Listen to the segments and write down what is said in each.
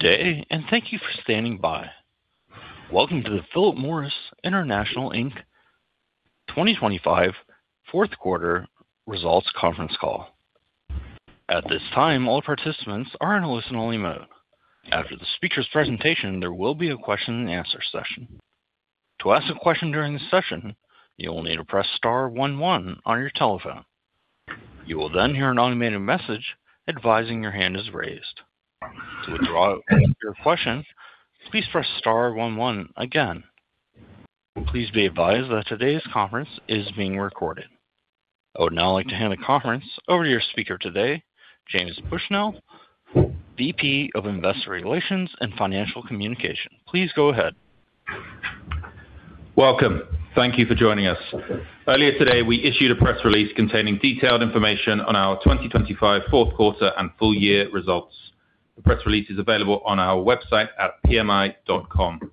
Good day and thank you for standing by. Welcome to the Philip Morris International, Inc., 2025 fourth quarter results conference call. At this time, all participants are in a listen-only mode. After the speaker's presentation, there will be a question-and-answer session. To ask a question during the session, you will need to press star one one on your telephone. You will then hear an automated message advising your hand is raised. To withdraw your question, please press star one one again. Please be advised that today's conference is being recorded. I would now like to hand the conference over to your speaker today, James Bushnell, VP of Investor Relations and Financial Communication. Please go ahead. Welcome. Thank you for joining us. Earlier today, we issued a press release containing detailed information on our 2025 fourth quarter and full-year results. The press release is available on our website at pmi.com.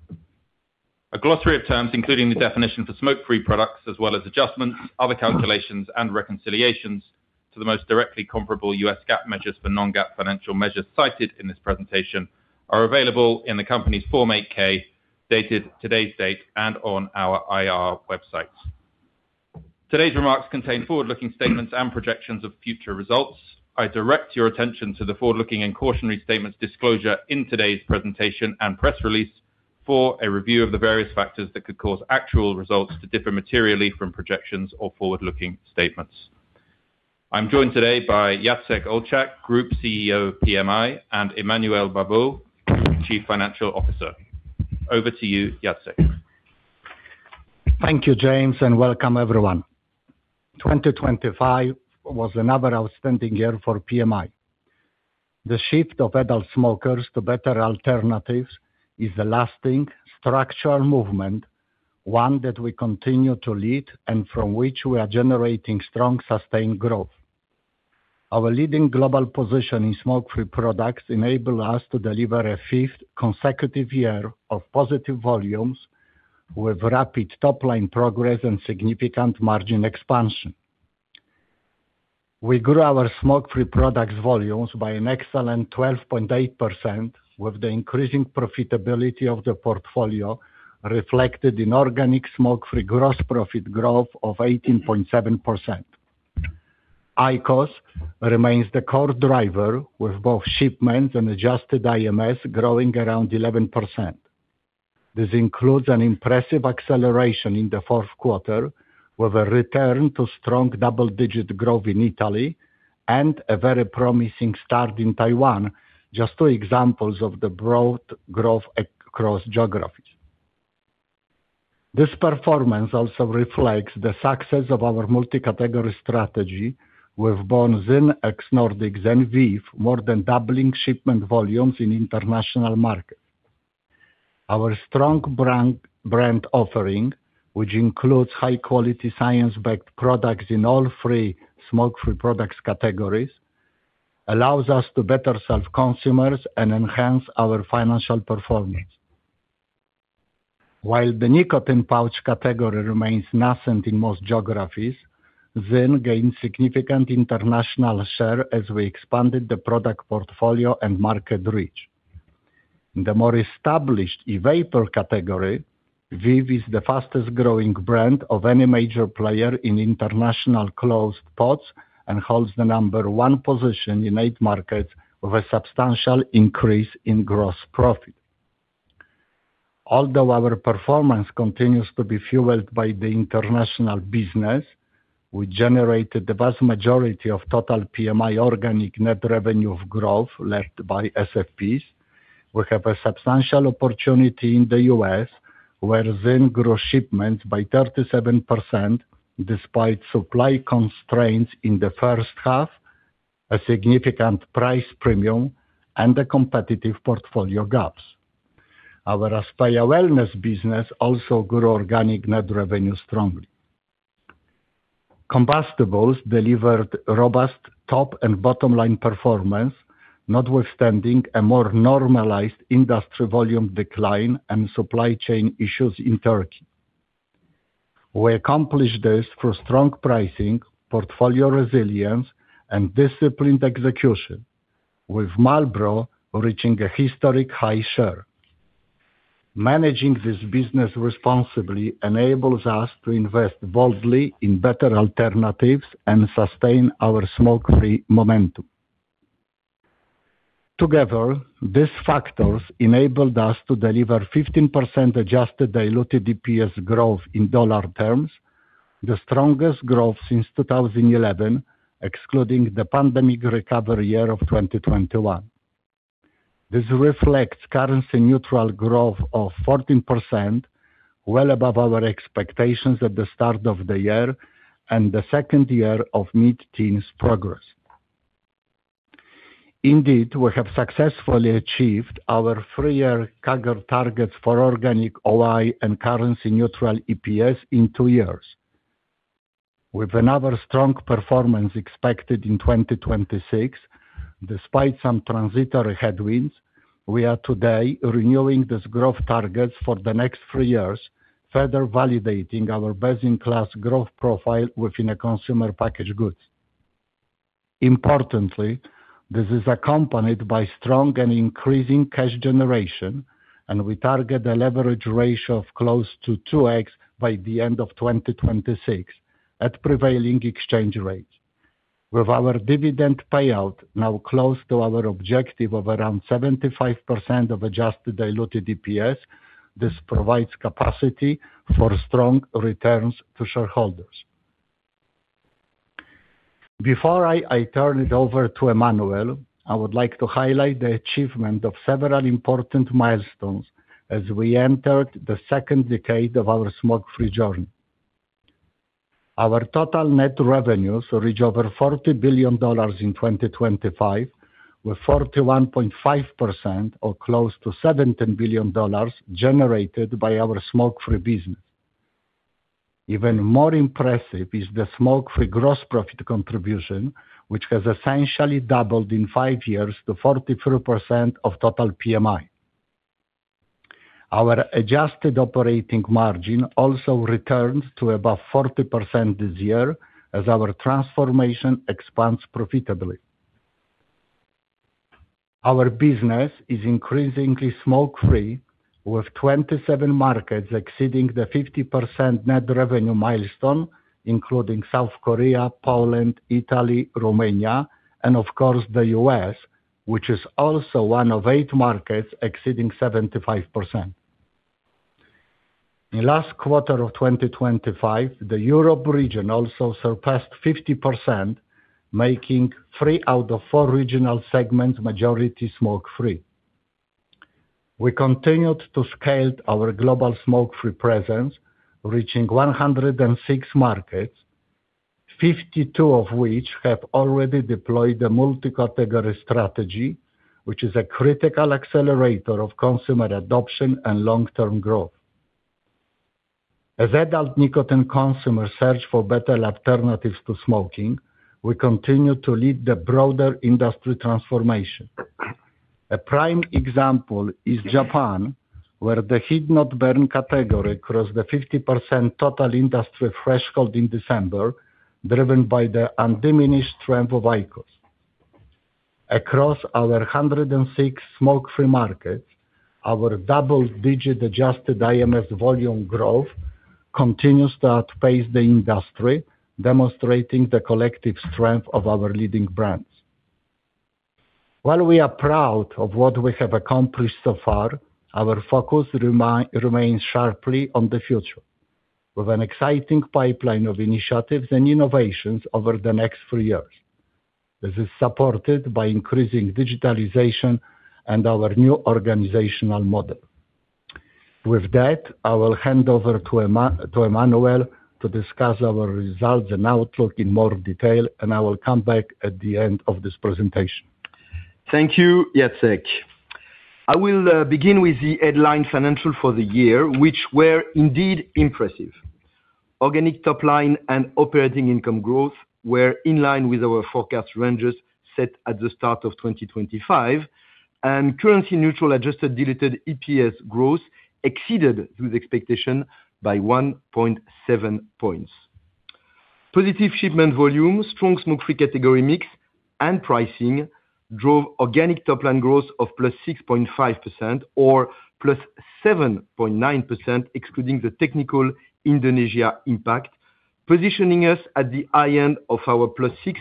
A glossary of terms, including the definition for smoke-free products as well as adjustments, other calculations, and reconciliations to the most directly comparable U.S. GAAP measures for non-GAAP financial measures cited in this presentation, are available in the company's Form 8-K dated today's date and on our IR websites. Today's remarks contain forward-looking statements and projections of future results. I direct your attention to the forward-looking and cautionary statements disclosure in today's presentation and press release for a review of the various factors that could cause actual results to differ materially from projections or forward-looking statements. I'm joined today by Jacek Olczak, Group CEO of PMI, and Emmanuel Babeau, Chief Financial Officer. Over to you, Jacek. Thank you, James, and welcome, everyone. 2025 was another outstanding year for PMI. The shift of adult smokers to better alternatives is a lasting, structural movement, one that we continue to lead and from which we are generating strong, sustained growth. Our leading global position in smoke-free products enabled us to deliver a fifth consecutive year of positive volumes with rapid top-line progress and significant margin expansion. We grew our smoke-free products volumes by an excellent 12.8%, with the increasing profitability of the portfolio reflected in organic smoke-free gross profit growth of 18.7%. IQOS remains the core driver, with both shipments and adjusted IMS growing around 11%. This includes an impressive acceleration in the fourth quarter, with a return to strong double-digit growth in Italy and a very promising start in Taiwan, just two examples of the broad growth across geographies. This performance also reflects the success of our multi-category strategy, with BONDS, ZYN ex-Nordics, and VEEV more than doubling shipment volumes in international markets. Our strong brand offering, which includes high-quality science-backed products in all three smoke-free products categories, allows us to better serve consumers and enhance our financial performance. While the nicotine pouch category remains nascent in most geographies, ZYN gained significant international share as we expanded the product portfolio and market reach. In the more established e-vapor category, VEEV is the fastest-growing brand of any major player in international closed pods and holds the number one position in eight markets, with a substantial increase in gross profit. Although our performance continues to be fueled by the international business, which generated the vast majority of total PMI organic net revenue growth led by SFPs, we have a substantial opportunity in the U.S., where ZYN grew shipments by 37% despite supply constraints in the first half, a significant price premium, and the competitive portfolio gaps. Our Aspeya wellness business also grew organic net revenue strongly. Combustibles delivered robust top and bottom-line performance, notwithstanding a more normalized industry volume decline and supply chain issues in Turkey. We accomplished this through strong pricing, portfolio resilience, and disciplined execution, with Marlboro reaching a historic high share. Managing this business responsibly enables us to invest boldly in better alternatives and sustain our smoke-free momentum. Together, these factors enabled us to deliver 15% adjusted diluted EPS growth in dollar terms, the strongest growth since 2011, excluding the pandemic recovery year of 2021. This reflects currency-neutral growth of 14%, well above our expectations at the start of the year and the second year of mid-teens progress. Indeed, we have successfully achieved our three-year CAGR targets for organic OI and currency-neutral EPS in two years. With another strong performance expected in 2026, despite some transitory headwinds, we are today renewing these growth targets for the next three years, further validating our best-in-class growth profile within consumer packaged goods. Importantly, this is accompanied by strong and increasing cash generation, and we target a leverage ratio of close to 2x by the end of 2026 at prevailing exchange rates. With our dividend payout now close to our objective of around 75% of adjusted diluted EPS, this provides capacity for strong returns to shareholders. Before I turn it over to Emmanuel, I would like to highlight the achievement of several important milestones as we entered the second decade of our smoke-free journey. Our total net revenues reached over $40 billion in 2025, with 41.5% or close to $17 billion generated by our smoke-free business. Even more impressive is the smoke-free gross profit contribution, which has essentially doubled in five years to 43% of total PMI. Our adjusted operating margin also returned to above 40% this year as our transformation expands profitably. Our business is increasingly smoke-free, with 27 markets exceeding the 50% net revenue milestone, including South Korea, Poland, Italy, Romania, and of course the U.S., which is also one of eight markets exceeding 75%. In the last quarter of 2025, the Europe region also surpassed 50%, making three out of four regional segments majority smoke-free. We continued to scale our global smoke-free presence, reaching 106 markets, 52 of which have already deployed a multi-category strategy, which is a critical accelerator of consumer adoption and long-term growth. As adult nicotine consumers search for better alternatives to smoking, we continue to lead the broader industry transformation. A prime example is Japan, where the heat-not-burn category crossed the 50% total industry threshold in December, driven by the undiminished strength of IQOS. Across our 106 smoke-free markets, our double-digit adjusted IMS volume growth continues to outpace the industry, demonstrating the collective strength of our leading brands. While we are proud of what we have accomplished so far, our focus remains sharply on the future, with an exciting pipeline of initiatives and innovations over the next three years. This is supported by increasing digitalization and our new organizational model. With that, I will hand over to Emmanuel to discuss our results and outlook in more detail, and I will come back at the end of this presentation. Thank you, Jacek. I will begin with the headline financials for the year, which were indeed impressive. Organic top-line and operating income growth were in line with our forecast ranges set at the start of 2025, and currency-neutral adjusted diluted EPS growth exceeded those expectations by 1.7 points. Positive shipment volume, strong smoke-free category mix, and pricing drove organic top-line growth of +6.5% or +7.9%, excluding the technical Indonesia impact, positioning us at the high end of our +6%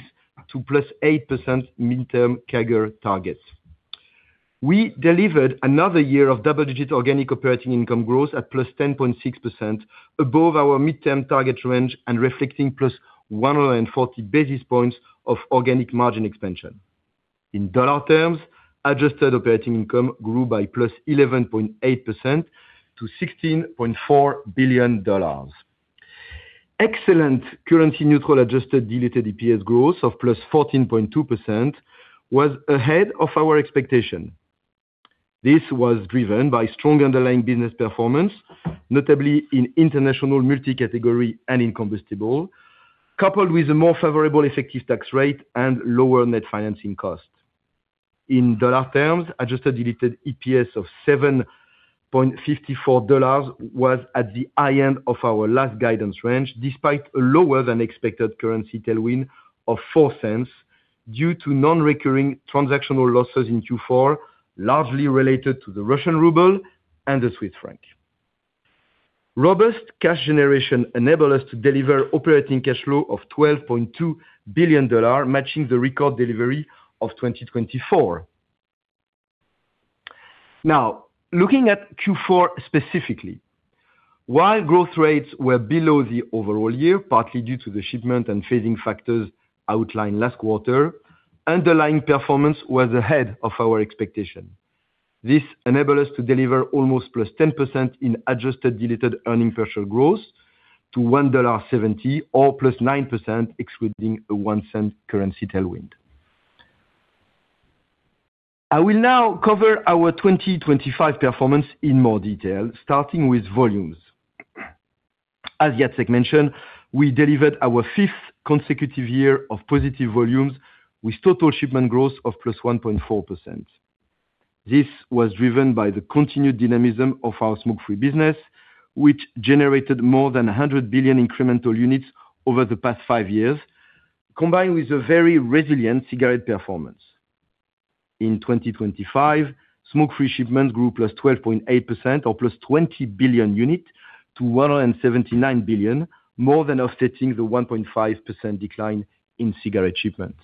to +8% mid-term CAGR targets. We delivered another year of double-digit organic operating income growth at +10.6%, above our mid-term target range and reflecting +140 basis points of organic margin expansion. In dollar terms, adjusted operating income grew by +11.8% to $16.4 billion. Excellent currency-neutral adjusted diluted EPS growth of +14.2% was ahead of our expectation. This was driven by strong underlying business performance, notably in international multi-category and in combustible, coupled with a more favorable effective tax rate and lower net financing cost. In dollar terms, adjusted diluted EPS of $7.54 was at the high end of our last guidance range, despite a lower-than-expected currency tailwind of $0.04 due to non-recurring transactional losses in Q4, largely related to the Russian ruble and the Swiss franc. Robust cash generation enabled us to deliver operating cash flow of $12.2 billion, matching the record delivery of 2024. Now, looking at Q4 specifically, while growth rates were below the overall year, partly due to the shipment and phasing factors outlined last quarter, underlying performance was ahead of our expectation. This enabled us to deliver almost plus 10% in adjusted diluted earnings per share growth to $1.70 or plus 9%, excluding a one-cent currency tailwind. I will now cover our 2025 performance in more detail, starting with volumes. As Jacek mentioned, we delivered our fifth consecutive year of positive volumes with total shipment growth of +1.4%. This was driven by the continued dynamism of our smoke-free business, which generated more than 100 billion incremental units over the past five years, combined with a very resilient cigarette performance. In 2025, smoke-free shipments grew +12.8% or +20 billion units to 179 billion, more than offsetting the 1.5% decline in cigarette shipments.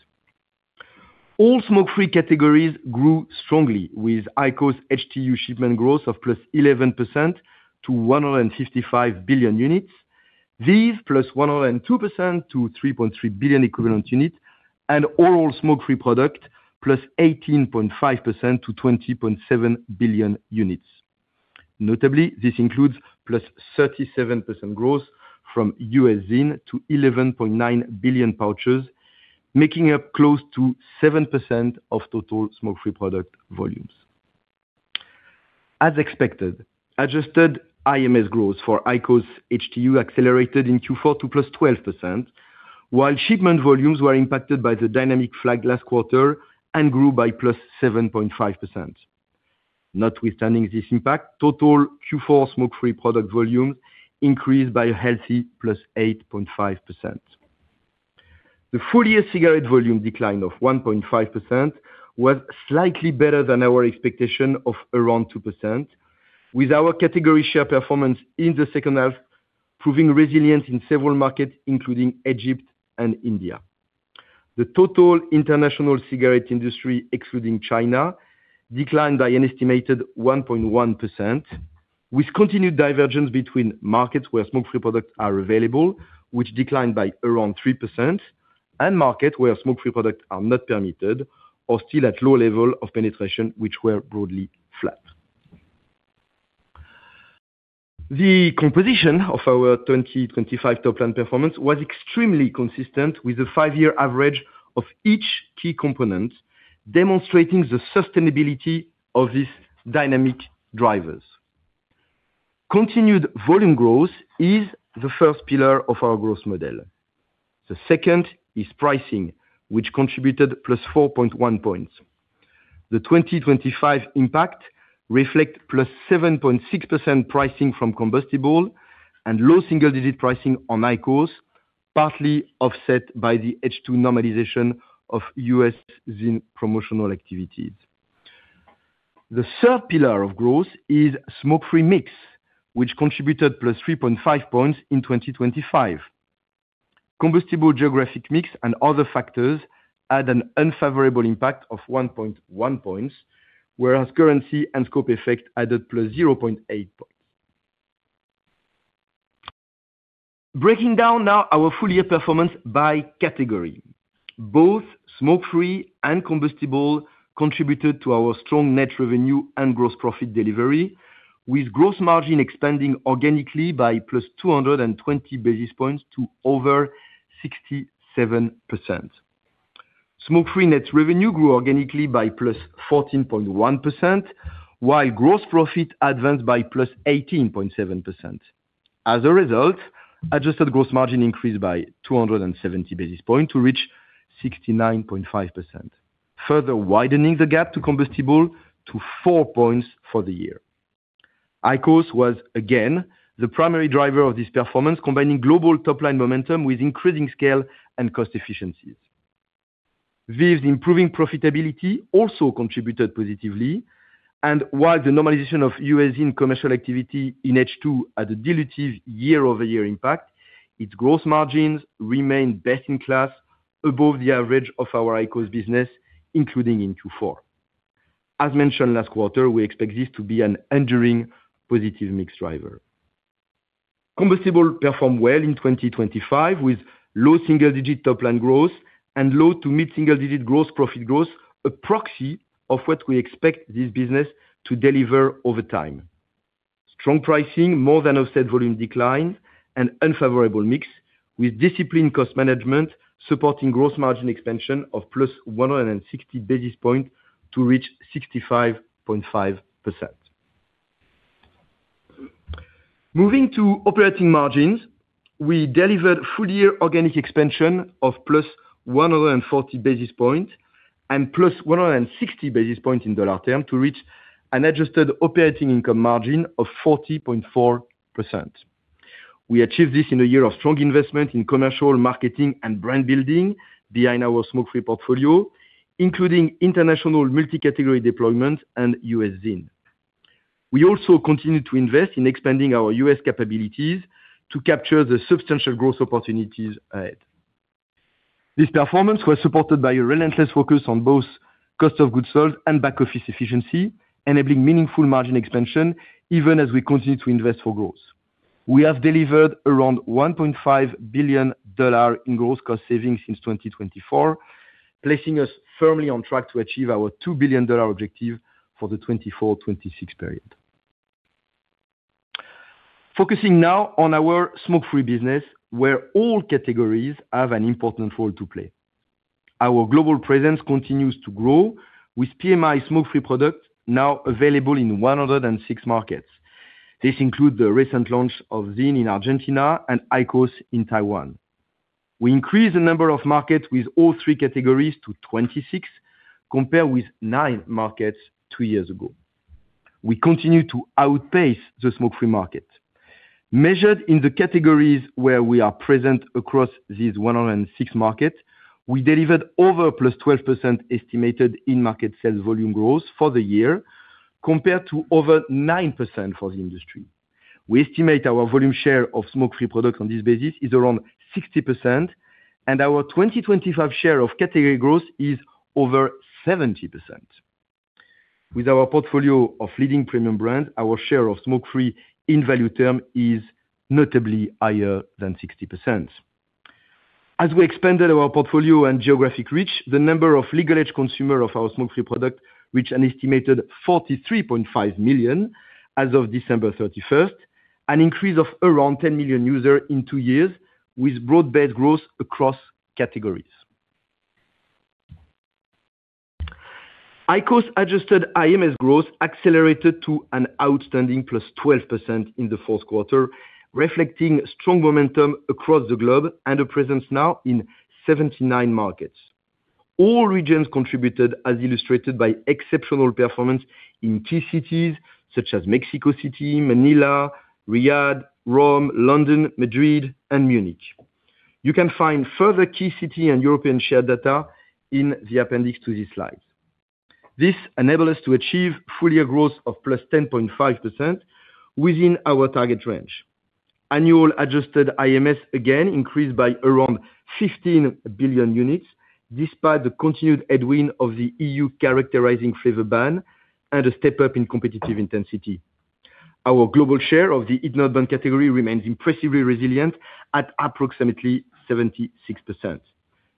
All smoke-free categories grew strongly, with IQOS HTU shipment growth of +11% to 155 billion units, VEEV +102% to 3.3 billion equivalent units, and overall smoke-free product +18.5% to 20.7 billion units. Notably, this includes +37% growth from U.S. ZYN to 11.9 billion pouches, making up close to 7% of total smoke-free product volumes. As expected, adjusted IMS growth for IQOS HTU accelerated in Q4 to +12%, while shipment volumes were impacted by the destocking last quarter and grew by +7.5%. Notwithstanding this impact, total Q4 smoke-free product volumes increased by a healthy +8.5%. The full-year cigarette volume decline of 1.5% was slightly better than our expectation of around 2%, with our category share performance in the second half proving resilient in several markets, including Egypt and India. The total international cigarette industry, excluding China, declined by an estimated 1.1%, with continued divergence between markets where smoke-free products are available, which declined by around 3%, and markets where smoke-free products are not permitted or still at low level of penetration, which were broadly flat. The composition of our 2025 top-line performance was extremely consistent with the five-year average of each key component, demonstrating the sustainability of these dynamic drivers. Continued volume growth is the first pillar of our growth model. The second is pricing, which contributed +4.1 points. The 2025 impact reflects +7.6% pricing from combustible and low single-digit pricing on IQOS, partly offset by the H2 normalization of U.S. ZYN promotional activities. The third pillar of growth is smoke-free mix, which contributed +3.5 points in 2025. Combustible geographic mix and other factors had an unfavorable impact of 1.1 points, whereas currency and scope effect added +0.8 points. Breaking down now our full-year performance by category. Both smoke-free and combustible contributed to our strong net revenue and gross profit delivery, with gross margin expanding organically by +220 basis points to over 67%. Smoke-free net revenue grew organically by +14.1%, while gross profit advanced by +18.7%. As a result, adjusted gross margin increased by 270 basis points to reach 69.5%, further widening the gap to combustible to 4 points for the year. IQOS was, again, the primary driver of this performance, combining global top-line momentum with increasing scale and cost efficiencies. VEEV's improving profitability also contributed positively, and while the normalization of U.S. ZYN commercial activity in H2 had a dilutive year-over-year impact, its gross margins remained best-in-class, above the average of our IQOS business, including in Q4. As mentioned last quarter, we expect this to be an enduring positive mix driver. Combustible performed well in 2025 with low single-digit top-line growth and low to mid-single-digit gross profit growth, a proxy of what we expect this business to deliver over time. Strong pricing, more than offset volume declines, and unfavorable mix with disciplined cost management supporting gross margin expansion of +160 basis points to reach 65.5%. Moving to operating margins, we delivered full-year organic expansion of +140 basis points and +160 basis points in dollar terms to reach an adjusted operating income margin of 40.4%. We achieved this in a year of strong investment in commercial, marketing, and brand building behind our smoke-free portfolio, including international multi-category deployment and U.S. ZYN. We also continue to invest in expanding our U.S. capabilities to capture the substantial growth opportunities ahead. This performance was supported by a relentless focus on both cost of goods sold and back-office efficiency, enabling meaningful margin expansion even as we continue to invest for growth. We have delivered around $1.5 billion in gross cost savings since 2024, placing us firmly on track to achieve our $2 billion objective for the 2024-2026 period. Focusing now on our smoke-free business, where all categories have an important role to play. Our global presence continues to grow, with PMI smoke-free products now available in 106 markets. This includes the recent launch of ZYN in Argentina and IQOS in Taiwan. We increased the number of markets with all three categories to 26, compared with 9 markets two years ago. We continue to outpace the smoke-free market. Measured in the categories where we are present across these 106 markets, we delivered over +12% estimated in-market sales volume growth for the year, compared to over 9% for the industry. We estimate our volume share of smoke-free products on this basis is around 60%, and our 2025 share of category growth is over 70%. With our portfolio of leading premium brands, our share of smoke-free in value term is notably higher than 60%. As we expanded our portfolio and geographic reach, the number of legal-age consumers of our smoke-free products reached an estimated 43.5 million as of December 31st, an increase of around 10 million users in two years, with broad-based growth across categories. IQOS adjusted IMS growth accelerated to an outstanding +12% in the fourth quarter, reflecting strong momentum across the globe and a presence now in 79 markets. All regions contributed, as illustrated by exceptional performance in key cities such as Mexico City, Manila, Riyadh, Rome, London, Madrid, and Munich. You can find further key city and European share data in the appendix to these slides. This enabled us to achieve full-year growth of +10.5% within our target range. Annual adjusted IMS again increased by around 15 billion units, despite the continued headwind of the EU characterizing flavor ban and a step-up in competitive intensity. Our global share of the heat-not-burn category remains impressively resilient at approximately 76%.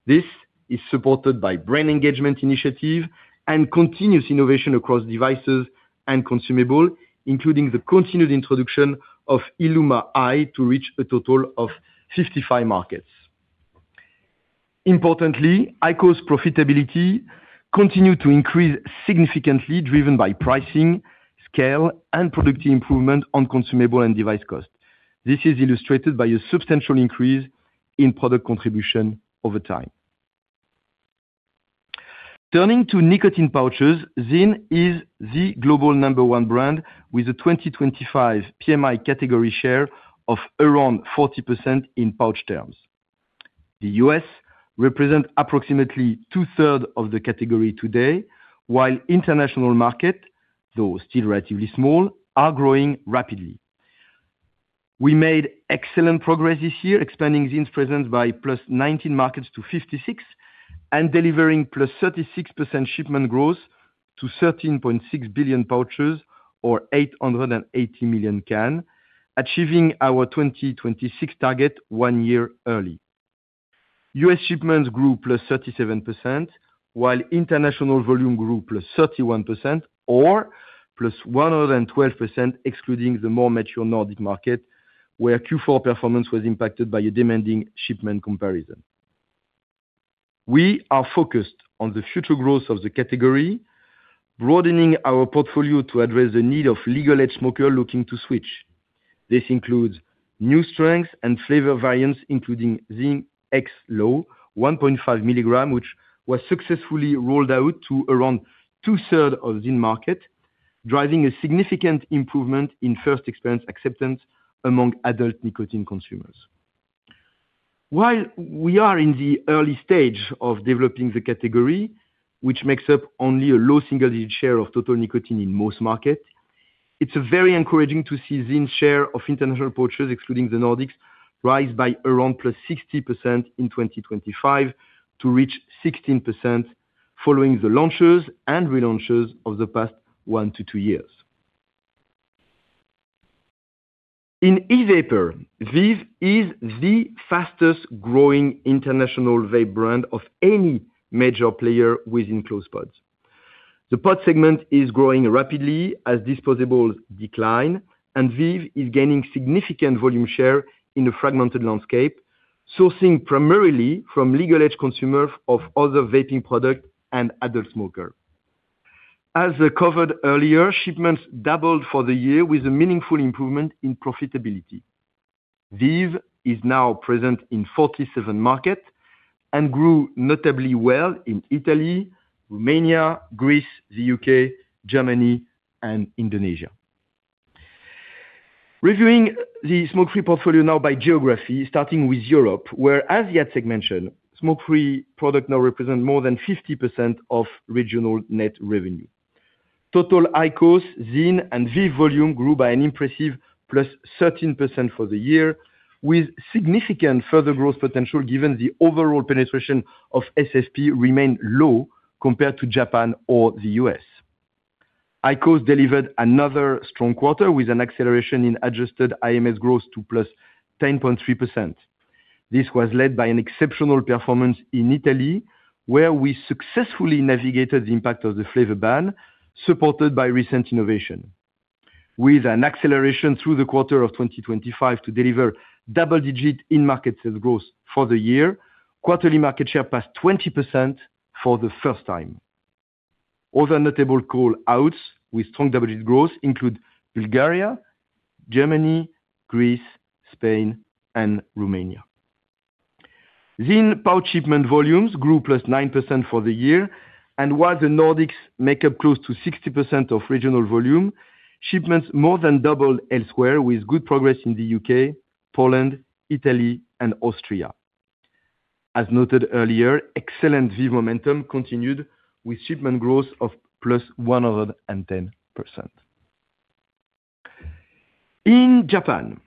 This is supported by brand engagement initiative and continuous innovation across devices and consumables, including the continued introduction of IQOS ILUMA i to reach a total of 55 markets. Importantly, IQOS profitability continued to increase significantly, driven by pricing, scale, and productivity improvement on consumable and device costs. This is illustrated by a substantial increase in product contribution over time. Turning to nicotine pouches, ZYN is the global number one brand with a 2025 PMI category share of around 40% in pouch terms. The U.S. represents approximately two-thirds of the category today, while international markets, though still relatively small, are growing rapidly. We made excellent progress this year, expanding ZYN's presence by +19 markets to 56 and delivering +36% shipment growth to 13.6 billion pouches or 880 million cans, achieving our 2026 target one year early. U.S. shipments grew +37%, while international volume grew +31% or +112%, excluding the more mature Nordic market, where Q4 performance was impacted by a demanding shipment comparison. We are focused on the future growth of the category, broadening our portfolio to address the need of legal-age smokers looking to switch. This includes new strengths and flavor variants, including ZYN X-Low, 1.5 mg, which was successfully rolled out to around two-thirds of ZYN markets, driving a significant improvement in first-experience acceptance among adult nicotine consumers. While we are in the early stage of developing the category, which makes up only a low single-digit share of total nicotine in most markets, it's very encouraging to see ZYN's share of international pouches, excluding the Nordics, rise by around +60% in 2025 to reach 16%, following the launches and relaunches of the past 1-2 years. In e-vapor, VEEV is the fastest-growing international vape brand of any major player within closed pods. The pod segment is growing rapidly as disposables decline, and VEEV is gaining significant volume share in a fragmented landscape, sourcing primarily from legal-age consumers of other vaping products and adult smokers. As covered earlier, shipments doubled for the year with a meaningful improvement in profitability. VEEV is now present in 47 markets and grew notably well in Italy, Romania, Greece, the U.K., Germany, and Indonesia. Reviewing the smoke-free portfolio now by geography, starting with Europe, where as a segment, smoke-free products now represent more than 50% of regional net revenue. Total IQOS, ZYN, and VEEV volume grew by an impressive +13% for the year, with significant further growth potential given the overall penetration of SFP remained low compared to Japan or the U.S. IQOS delivered another strong quarter with an acceleration in adjusted IMS growth to +10.3%. This was led by an exceptional performance in Italy, where we successfully navigated the impact of the flavor ban, supported by recent innovation. With an acceleration through the quarter of 2025 to deliver double-digit in-market sales growth for the year, quarterly market share passed 20% for the first time. Other notable call-outs with strong double-digit growth include Bulgaria, Germany, Greece, Spain, and Romania. ZYN pouch shipment volumes grew +9% for the year, and while the Nordics make up close to 60% of regional volume, shipments more than doubled elsewhere, with good progress in the UK, Poland, Italy, and Austria. As noted earlier, excellent VEEV momentum continued with shipment growth of +110%. In Japan,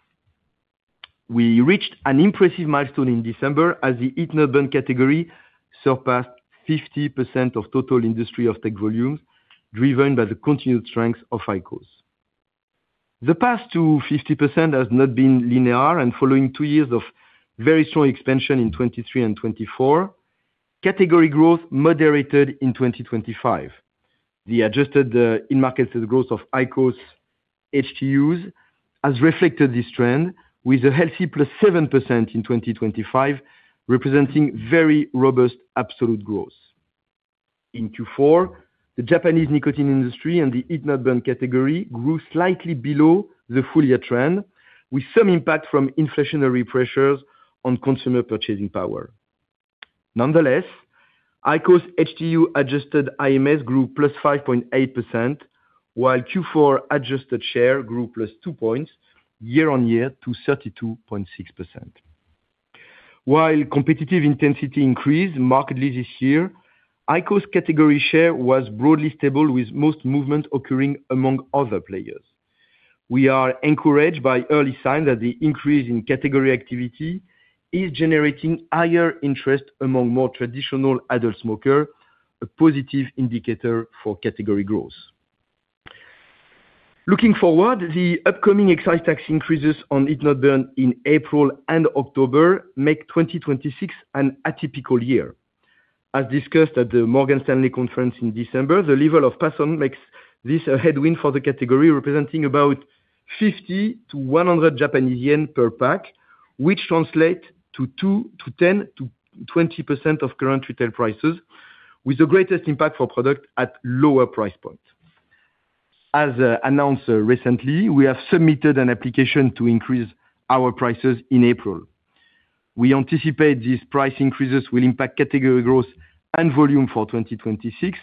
we reached an impressive milestone in December as the heat-not-burn category surpassed 50% of total industry offtake volumes, driven by the continued strength of IQOS. The path to 50% has not been linear, and following two years of very strong expansion in 2023 and 2024, category growth moderated in 2025. The adjusted in-market sales growth of IQOS HTUs has reflected this trend, with a healthy +7% in 2025, representing very robust absolute growth. In Q4, the Japanese nicotine industry and the heat-not-burn category grew slightly below the full-year trend, with some impact from inflationary pressures on consumer purchasing power. Nonetheless, IQOS HTU adjusted IMS grew +5.8%, while Q4 adjusted share grew +2 points, year-on-year to 32.6%. While competitive intensity increased markedly this year, IQOS category share was broadly stable, with most movement occurring among other players. We are encouraged by early signs that the increase in category activity is generating higher interest among more traditional adult smokers, a positive indicator for category growth. Looking forward, the upcoming excise tax increases on heat-not-burn in April and October make 2026 an atypical year. As discussed at the Morgan Stanley conference in December, the level of pass-on makes this a headwind for the category, representing about 50-100 Japanese yen per pack, which translates to 2%-10%-20% of current retail prices, with the greatest impact for products at lower price points. As announced recently, we have submitted an application to increase our prices in April. We anticipate these price increases will impact category growth and volume for 2026,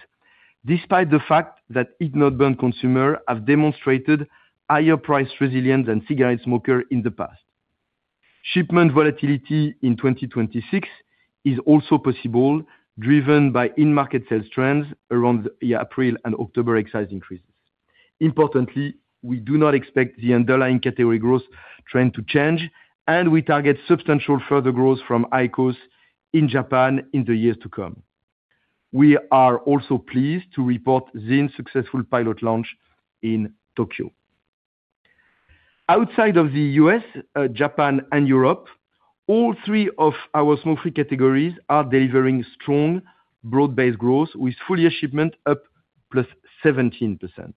despite the fact that heat-not-burn consumers have demonstrated higher price resilience than cigarette smokers in the past. Shipment volatility in 2026 is also possible, driven by in-market sales trends around the April and October excise increases. Importantly, we do not expect the underlying category growth trend to change, and we target substantial further growth from IQOS in Japan in the years to come. We are also pleased to report ZYN's successful pilot launch in Tokyo. Outside of the U.S., Japan, and Europe, all three of our smoke-free categories are delivering strong broad-based growth, with full-year shipment up +17%.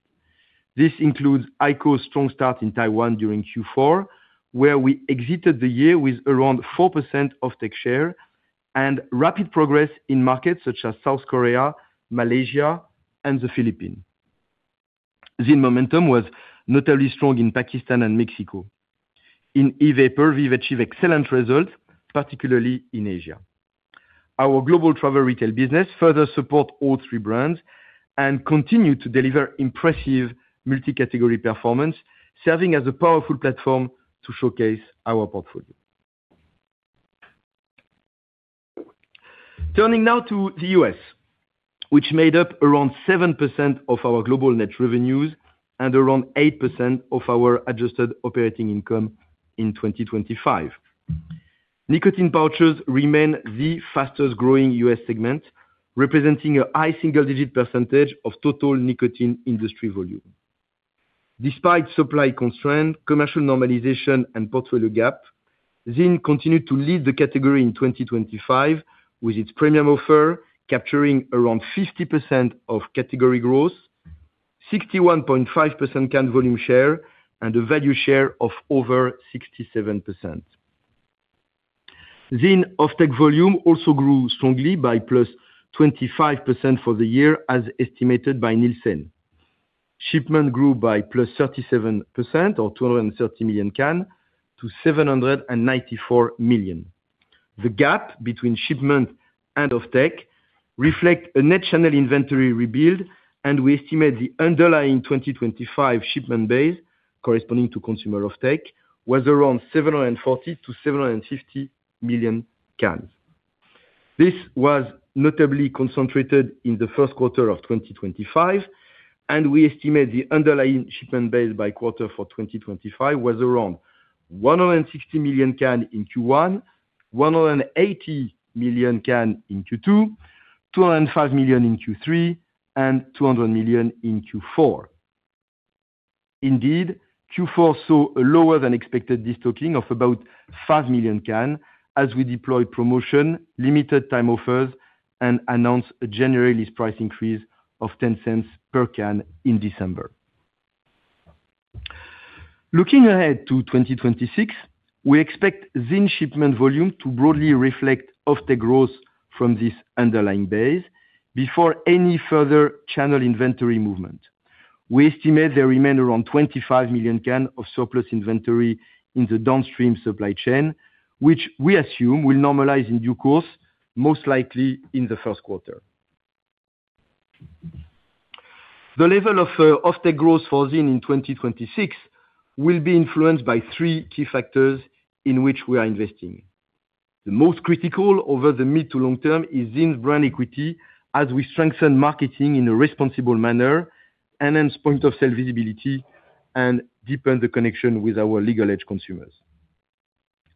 This includes IQOS' strong start in Taiwan during Q4, where we exited the year with around 4% offtake share, and rapid progress in markets such as South Korea, Malaysia, and the Philippines. ZYN momentum was notably strong in Pakistan and Mexico. In e-vapor, VEEV achieved excellent results, particularly in Asia. Our global travel retail business further supports all three brands and continues to deliver impressive multi-category performance, serving as a powerful platform to showcase our portfolio. Turning now to the U.S., which made up around 7% of our global net revenues and around 8% of our adjusted operating income in 2025. Nicotine pouches remain the fastest-growing U.S. segment, representing a high single-digit percentage of total nicotine industry volume. Despite supply constraints, commercial normalization, and portfolio gaps, ZYN continued to lead the category in 2025 with its premium offer, capturing around 50% of category growth, 61.5% can volume share, and a value share of over 67%. ZYN offtake volume also grew strongly by +25% for the year, as estimated by Nielsen. Shipment grew by +37%, or 230 million cans, to 794 million. The gap between shipment and offtake reflects a net channel inventory rebuild, and we estimate the underlying 2025 shipment base, corresponding to consumer offtake, was around 740-750 million cans. This was notably concentrated in the first quarter of 2025, and we estimate the underlying shipment base by quarter for 2025 was around 160 million cans in Q1, 180 million cans in Q2, 205 million in Q3, and 200 million in Q4. Indeed, Q4 saw a lower-than-expected destocking of about 5 million cans as we deployed promotion, limited time offers, and announced a January list price increase of $0.10 per can in December. Looking ahead to 2026, we expect ZYN shipment volume to broadly reflect offtake growth from this underlying base before any further channel inventory movement. We estimate there remain around 25 million cans of surplus inventory in the downstream supply chain, which we assume will normalize in due course, most likely in the first quarter. The level of offtake growth for ZYN in 2026 will be influenced by three key factors in which we are investing. The most critical over the mid to long term is ZYN's brand equity as we strengthen marketing in a responsible manner, enhance point-of-sale visibility, and deepen the connection with our legal-age consumers.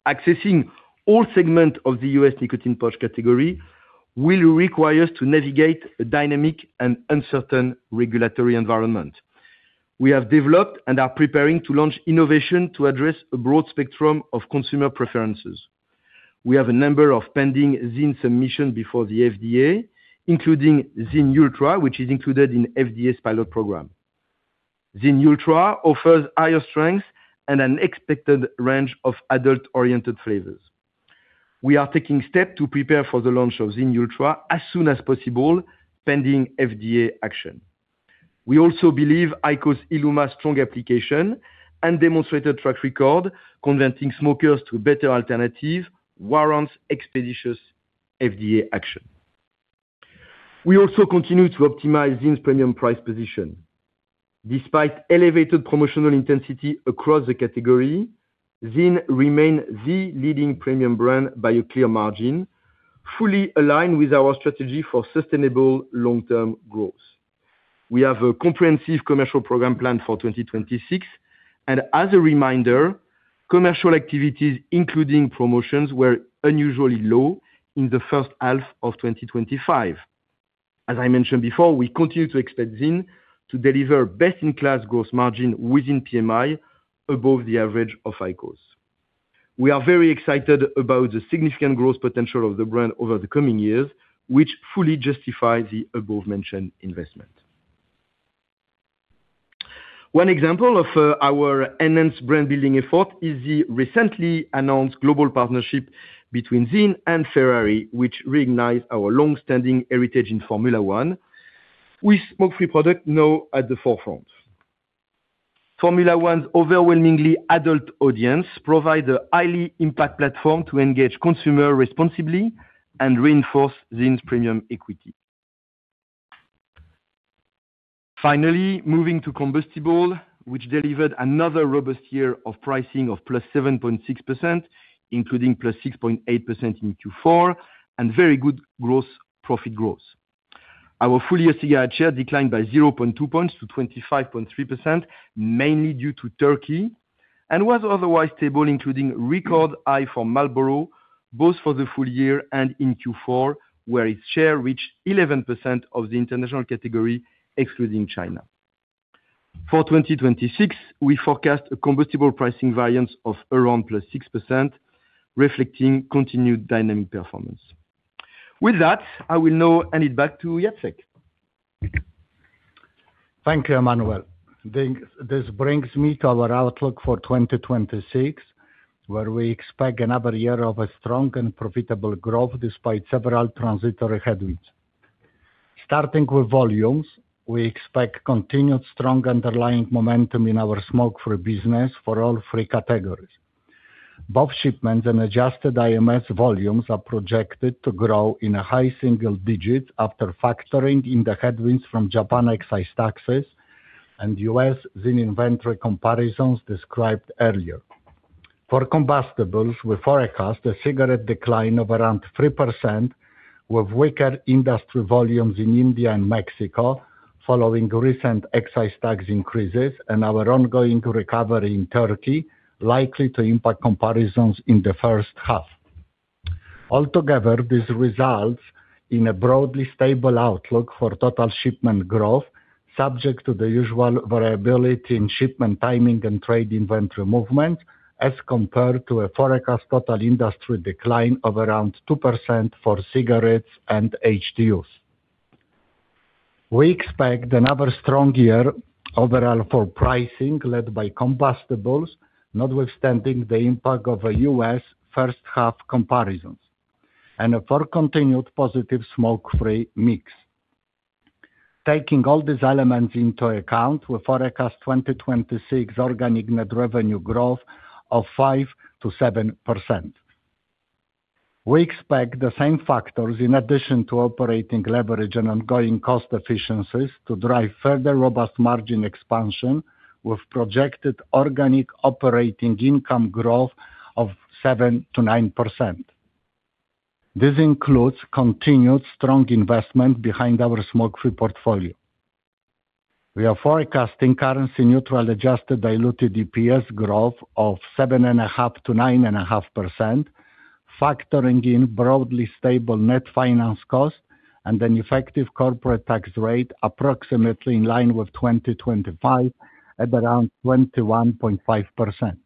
Accessing all segments of the U.S. nicotine pouch category will require us to navigate a dynamic and uncertain regulatory environment. We have developed and are preparing to launch innovation to address a broad spectrum of consumer preferences. We have a number of pending ZYN submissions before the FDA, including ZYN Ultra, which is included in the FDA's pilot program. ZYN Ultra offers higher strengths and an expected range of adult-oriented flavors. We are taking steps to prepare for the launch of ZYN Ultra as soon as possible, pending FDA action. We also believe IQOS ILUMA's strong application and demonstrated track record, converting smokers to better alternatives, warrants expeditious FDA action. We also continue to optimize ZYN's premium price position. Despite elevated promotional intensity across the category, ZYN remains the leading premium brand by a clear margin, fully aligned with our strategy for sustainable long-term growth. We have a comprehensive commercial program planned for 2026, and as a reminder, commercial activities, including promotions, were unusually low in the first half of 2025. As I mentioned before, we continue to expect ZYN to deliver best-in-class gross margin within PMI, above the average of IQOS. We are very excited about the significant growth potential of the brand over the coming years, which fully justifies the above-mentioned investment. One example of our enhanced brand-building effort is the recently announced global partnership between ZYN and Ferrari, which recognizes our long-standing heritage in Formula 1, with smoke-free products now at the forefront. Formula 1's overwhelmingly adult audience provides a highly impactful platform to engage consumers responsibly and reinforce ZYN's premium equity. Finally, moving to combustible, which delivered another robust year of pricing of +7.6%, including +6.8% in Q4, and very good gross profit growth. Our full-year cigarette share declined by 0.2 points to 25.3%, mainly due to Turkey, and was otherwise stable, including a record high for Marlboro, both for the full year and in Q4, where its share reached 11% of the international category, excluding China. For 2026, we forecast a combustible pricing variance of around +6%, reflecting continued dynamic performance. With that, I will now hand it back to Jacek. Thank you, Emmanuel. This brings me to our outlook for 2026, where we expect another year of strong and profitable growth despite several transitory headwinds. Starting with volumes, we expect continued strong underlying momentum in our smoke-free business for all three categories. Both shipments and adjusted IMS volumes are projected to grow in a high single digit after factoring in the headwinds from Japan excise taxes and U.S. ZYN inventory comparisons described earlier. For combustibles, we forecast a cigarette decline of around 3%, with weaker industry volumes in India and Mexico following recent excise tax increases, and our ongoing recovery in Turkey likely to impact comparisons in the first half. Altogether, this results in a broadly stable outlook for total shipment growth, subject to the usual variability in shipment timing and trade inventory movements, as compared to a forecast total industry decline of around 2% for cigarettes and HTUs. We expect another strong year overall for pricing, led by combustibles, notwithstanding the impact of U.S. first-half comparisons, and for continued positive smoke-free mix. Taking all these elements into account, we forecast 2026 organic net revenue growth of 5%-7%. We expect the same factors, in addition to operating leverage and ongoing cost efficiencies, to drive further robust margin expansion, with projected organic operating income growth of 7%-9%. This includes continued strong investment behind our smoke-free portfolio. We are forecasting currency-neutral adjusted diluted EPS growth of 7.5%-9.5%, factoring in broadly stable net finance costs and an effective corporate tax rate approximately in line with 2025 at around 21.5%.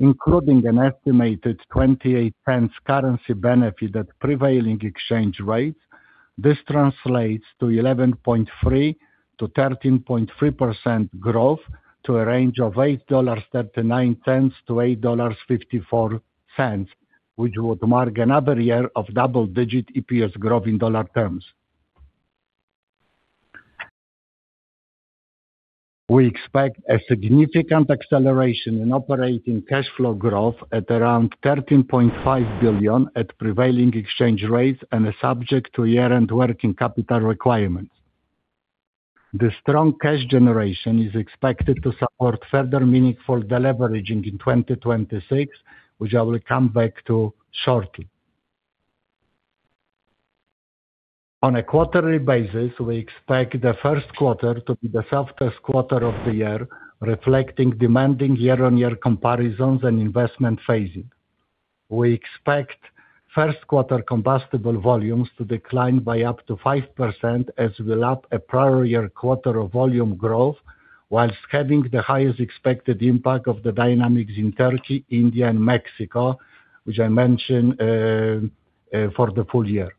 Including an estimated $0.28 currency benefit at prevailing exchange rates, this translates to 11.3%-13.3% growth to a range of $8.39-$8.54, which would mark another year of double-digit EPS growth in dollar terms. We expect a significant acceleration in operating cash flow growth at around $13.5 billion at prevailing exchange rates and subject to year-end working capital requirements. This strong cash generation is expected to support further meaningful deleveraging in 2026, which I will come back to shortly. On a quarterly basis, we expect the first quarter to be the softest quarter of the year, reflecting demanding year-on-year comparisons and investment phasing. We expect first-quarter combustible volumes to decline by up to 5% as we lap a prior year quarter of volume growth, whilst having the highest expected impact of the dynamics in Turkey, India, and Mexico, which I mentioned for the full year.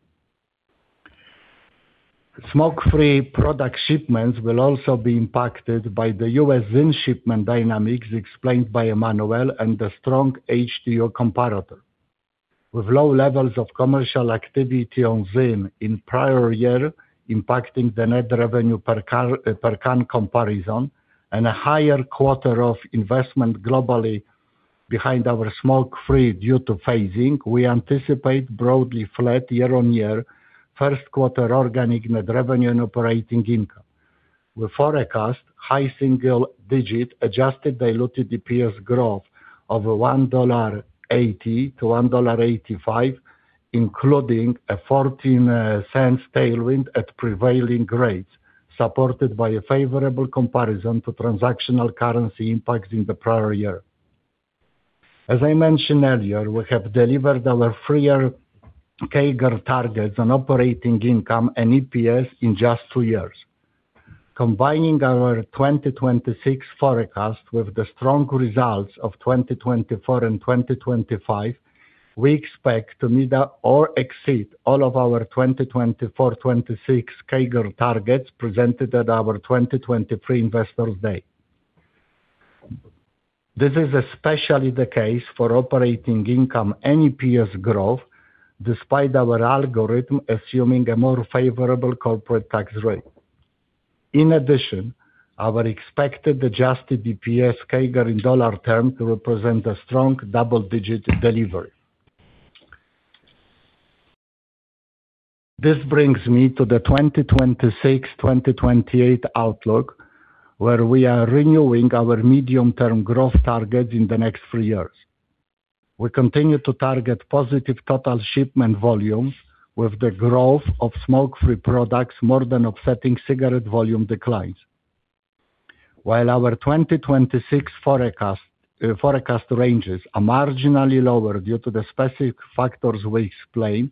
Smoke-free product shipments will also be impacted by the U.S. ZYN shipment dynamics explained by Emmanuel and the strong HTU comparator, with low levels of commercial activity on ZYN in prior year impacting the net revenue per can comparison. A higher quarter of investment globally behind our smoke-free due to phasing, we anticipate broadly flat year-on-year first-quarter organic net revenue and operating income. We forecast high single-digit adjusted diluted EPS growth of $1.80-$1.85, including a $0.14 tailwind at prevailing rates, supported by a favorable comparison to transactional currency impacts in the prior year. As I mentioned earlier, we have delivered our three-year CAGR targets on operating income and EPS in just two years. Combining our 2026 forecast with the strong results of 2024 and 2025, we expect to meet or exceed all of our 2024-26 CAGR targets presented at our 2023 Investors' Day. This is especially the case for operating income and EPS growth, despite our algorithm assuming a more favorable corporate tax rate. In addition, our expected adjusted EPS CAGR in dollar terms represents a strong double-digit delivery. This brings me to the 2026-2028 outlook, where we are renewing our medium-term growth targets in the next three years. We continue to target positive total shipment volumes, with the growth of smoke-free products more than offsetting cigarette volume declines. While our 2026 forecast ranges are marginally lower due to the specific factors we explained,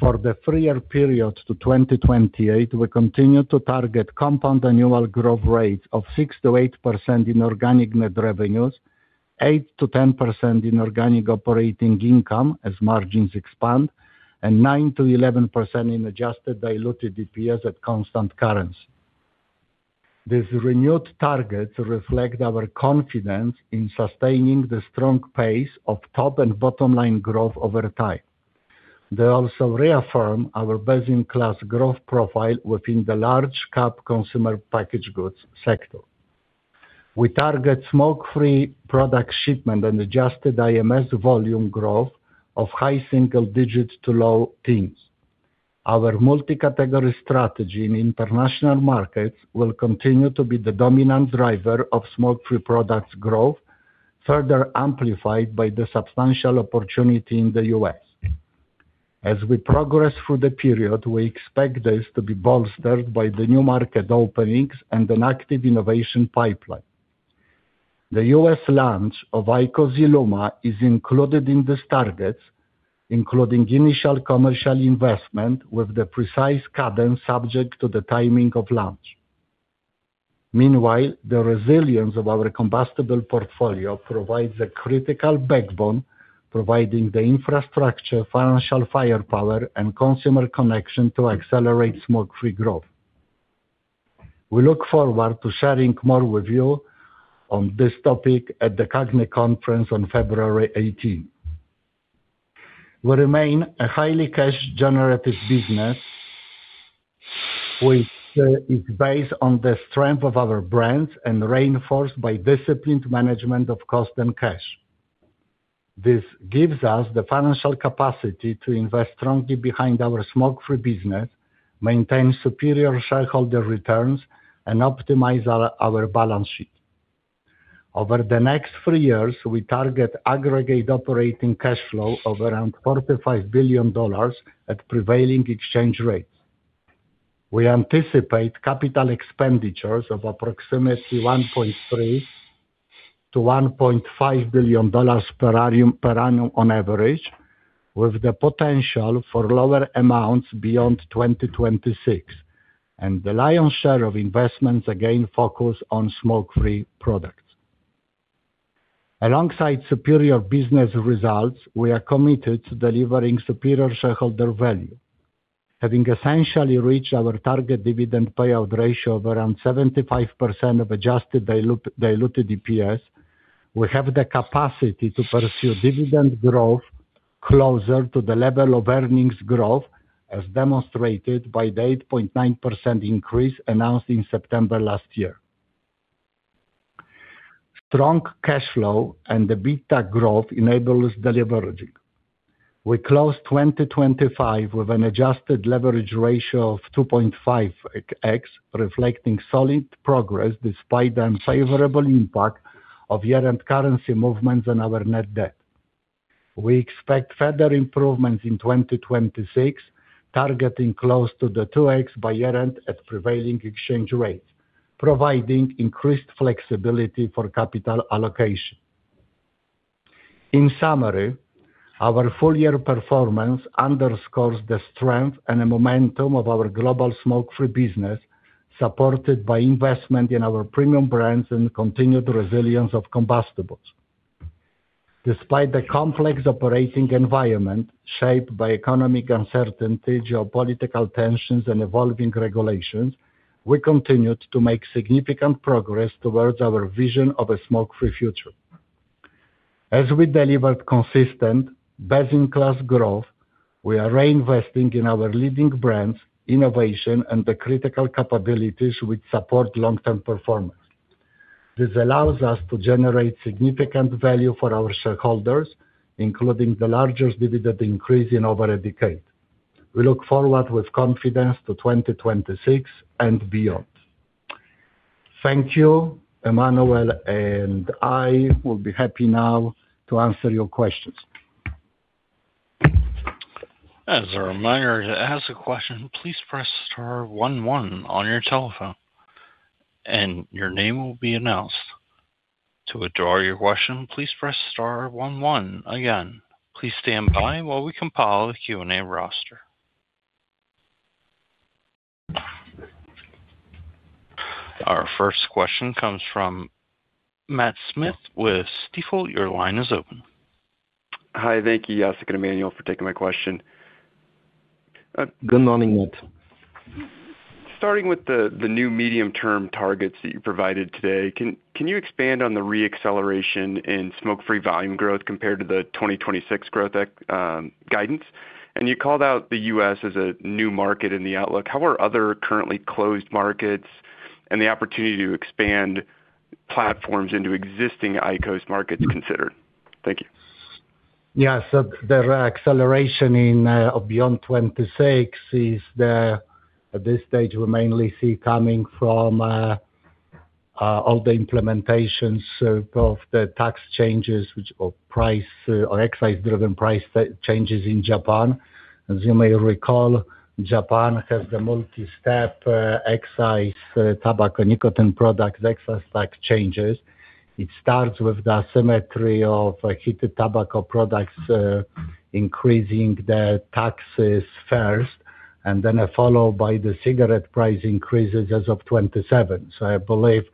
for the three-year period to 2028, we continue to target compound annual growth rates of 6%-8% in organic net revenues, 8%-10% in organic operating income as margins expand, and 9%-11% in adjusted diluted EPS at constant currency. These renewed targets reflect our confidence in sustaining the strong pace of top and bottom-line growth over time. They also reaffirm our best-in-class growth profile within the large-cap consumer packaged goods sector. We target smoke-free product shipment and Adjusted IMS volume growth of high single-digit to low teens. Our multi-category strategy in international markets will continue to be the dominant driver of smoke-free products growth, further amplified by the substantial opportunity in the U.S. As we progress through the period, we expect this to be bolstered by the new market openings and an active innovation pipeline. The U.S. launch of IQOS ILUMA is included in these targets, including initial commercial investment with the precise cadence subject to the timing of launch. Meanwhile, the resilience of our combustible portfolio provides a critical backbone, providing the infrastructure, financial firepower, and consumer connection to accelerate smoke-free growth. We look forward to sharing more with you on this topic at the CAGNY conference on February 18th. We remain a highly cash-generative business, which is based on the strength of our brands and reinforced by disciplined management of cost and cash. This gives us the financial capacity to invest strongly behind our smoke-free business, maintain superior shareholder returns, and optimize our balance sheet. Over the next three years, we target aggregate operating cash flow of around $45 billion at prevailing exchange rates. We anticipate capital expenditures of approximately $1.3-$1.5 billion per annum on average, with the potential for lower amounts beyond 2026, and the lion's share of investments again focus on smoke-free products. Alongside superior business results, we are committed to delivering superior shareholder value. Having essentially reached our target dividend payout ratio of around 75% of adjusted diluted EPS, we have the capacity to pursue dividend growth closer to the level of earnings growth, as demonstrated by the 8.9% increase announced in September last year. Strong cash flow and the big tech growth enable us deleveraging. We closed 2025 with an adjusted leverage ratio of 2.5x, reflecting solid progress despite the unfavorable impact of year-end currency movements on our net debt. We expect further improvements in 2026, targeting close to the 2x by year-end at prevailing exchange rates, providing increased flexibility for capital allocation. In summary, our full-year performance underscores the strength and momentum of our global smoke-free business, supported by investment in our premium brands and continued resilience of combustibles. Despite the complex operating environment shaped by economic uncertainty, geopolitical tensions, and evolving regulations, we continued to make significant progress towards our vision of a smoke-free future. As we delivered consistent best-in-class growth, we are reinvesting in our leading brands, innovation, and the critical capabilities which support long-term performance. This allows us to generate significant value for our shareholders, including the largest dividend increase in over a decade. We look forward with confidence to 2026 and beyond. Thank you, Emmanuel, and I will be happy now to answer your questions. As a reminder, to ask a question, please press star one one on your telephone, and your name will be announced. To withdraw your question, please press star one one again. Please stand by while we compile the Q&A roster. Our first question comes from Matt Smith with Stifel. Your line is open. Hi, thank you, Jacek and Emmanuel, for taking my question. Good morning, Matt. Starting with the new medium-term targets that you provided today, can you expand on the reacceleration in smoke-free volume growth compared to the 2026 growth guidance? And you called out the U.S. as a new market in the outlook. How are other currently closed markets and the opportunity to expand platforms into existing IQOS markets considered? Thank you. Yes, so the acceleration beyond 2026 is at this stage we mainly see coming from all the implementations of the tax changes or excise-driven price changes in Japan. As you may recall, Japan has the multi-step excise tobacco nicotine products excise tax changes. It starts with the asymmetry of heated tobacco products increasing the taxes first, and then followed by the cigarette price increases as of 2027. So I believe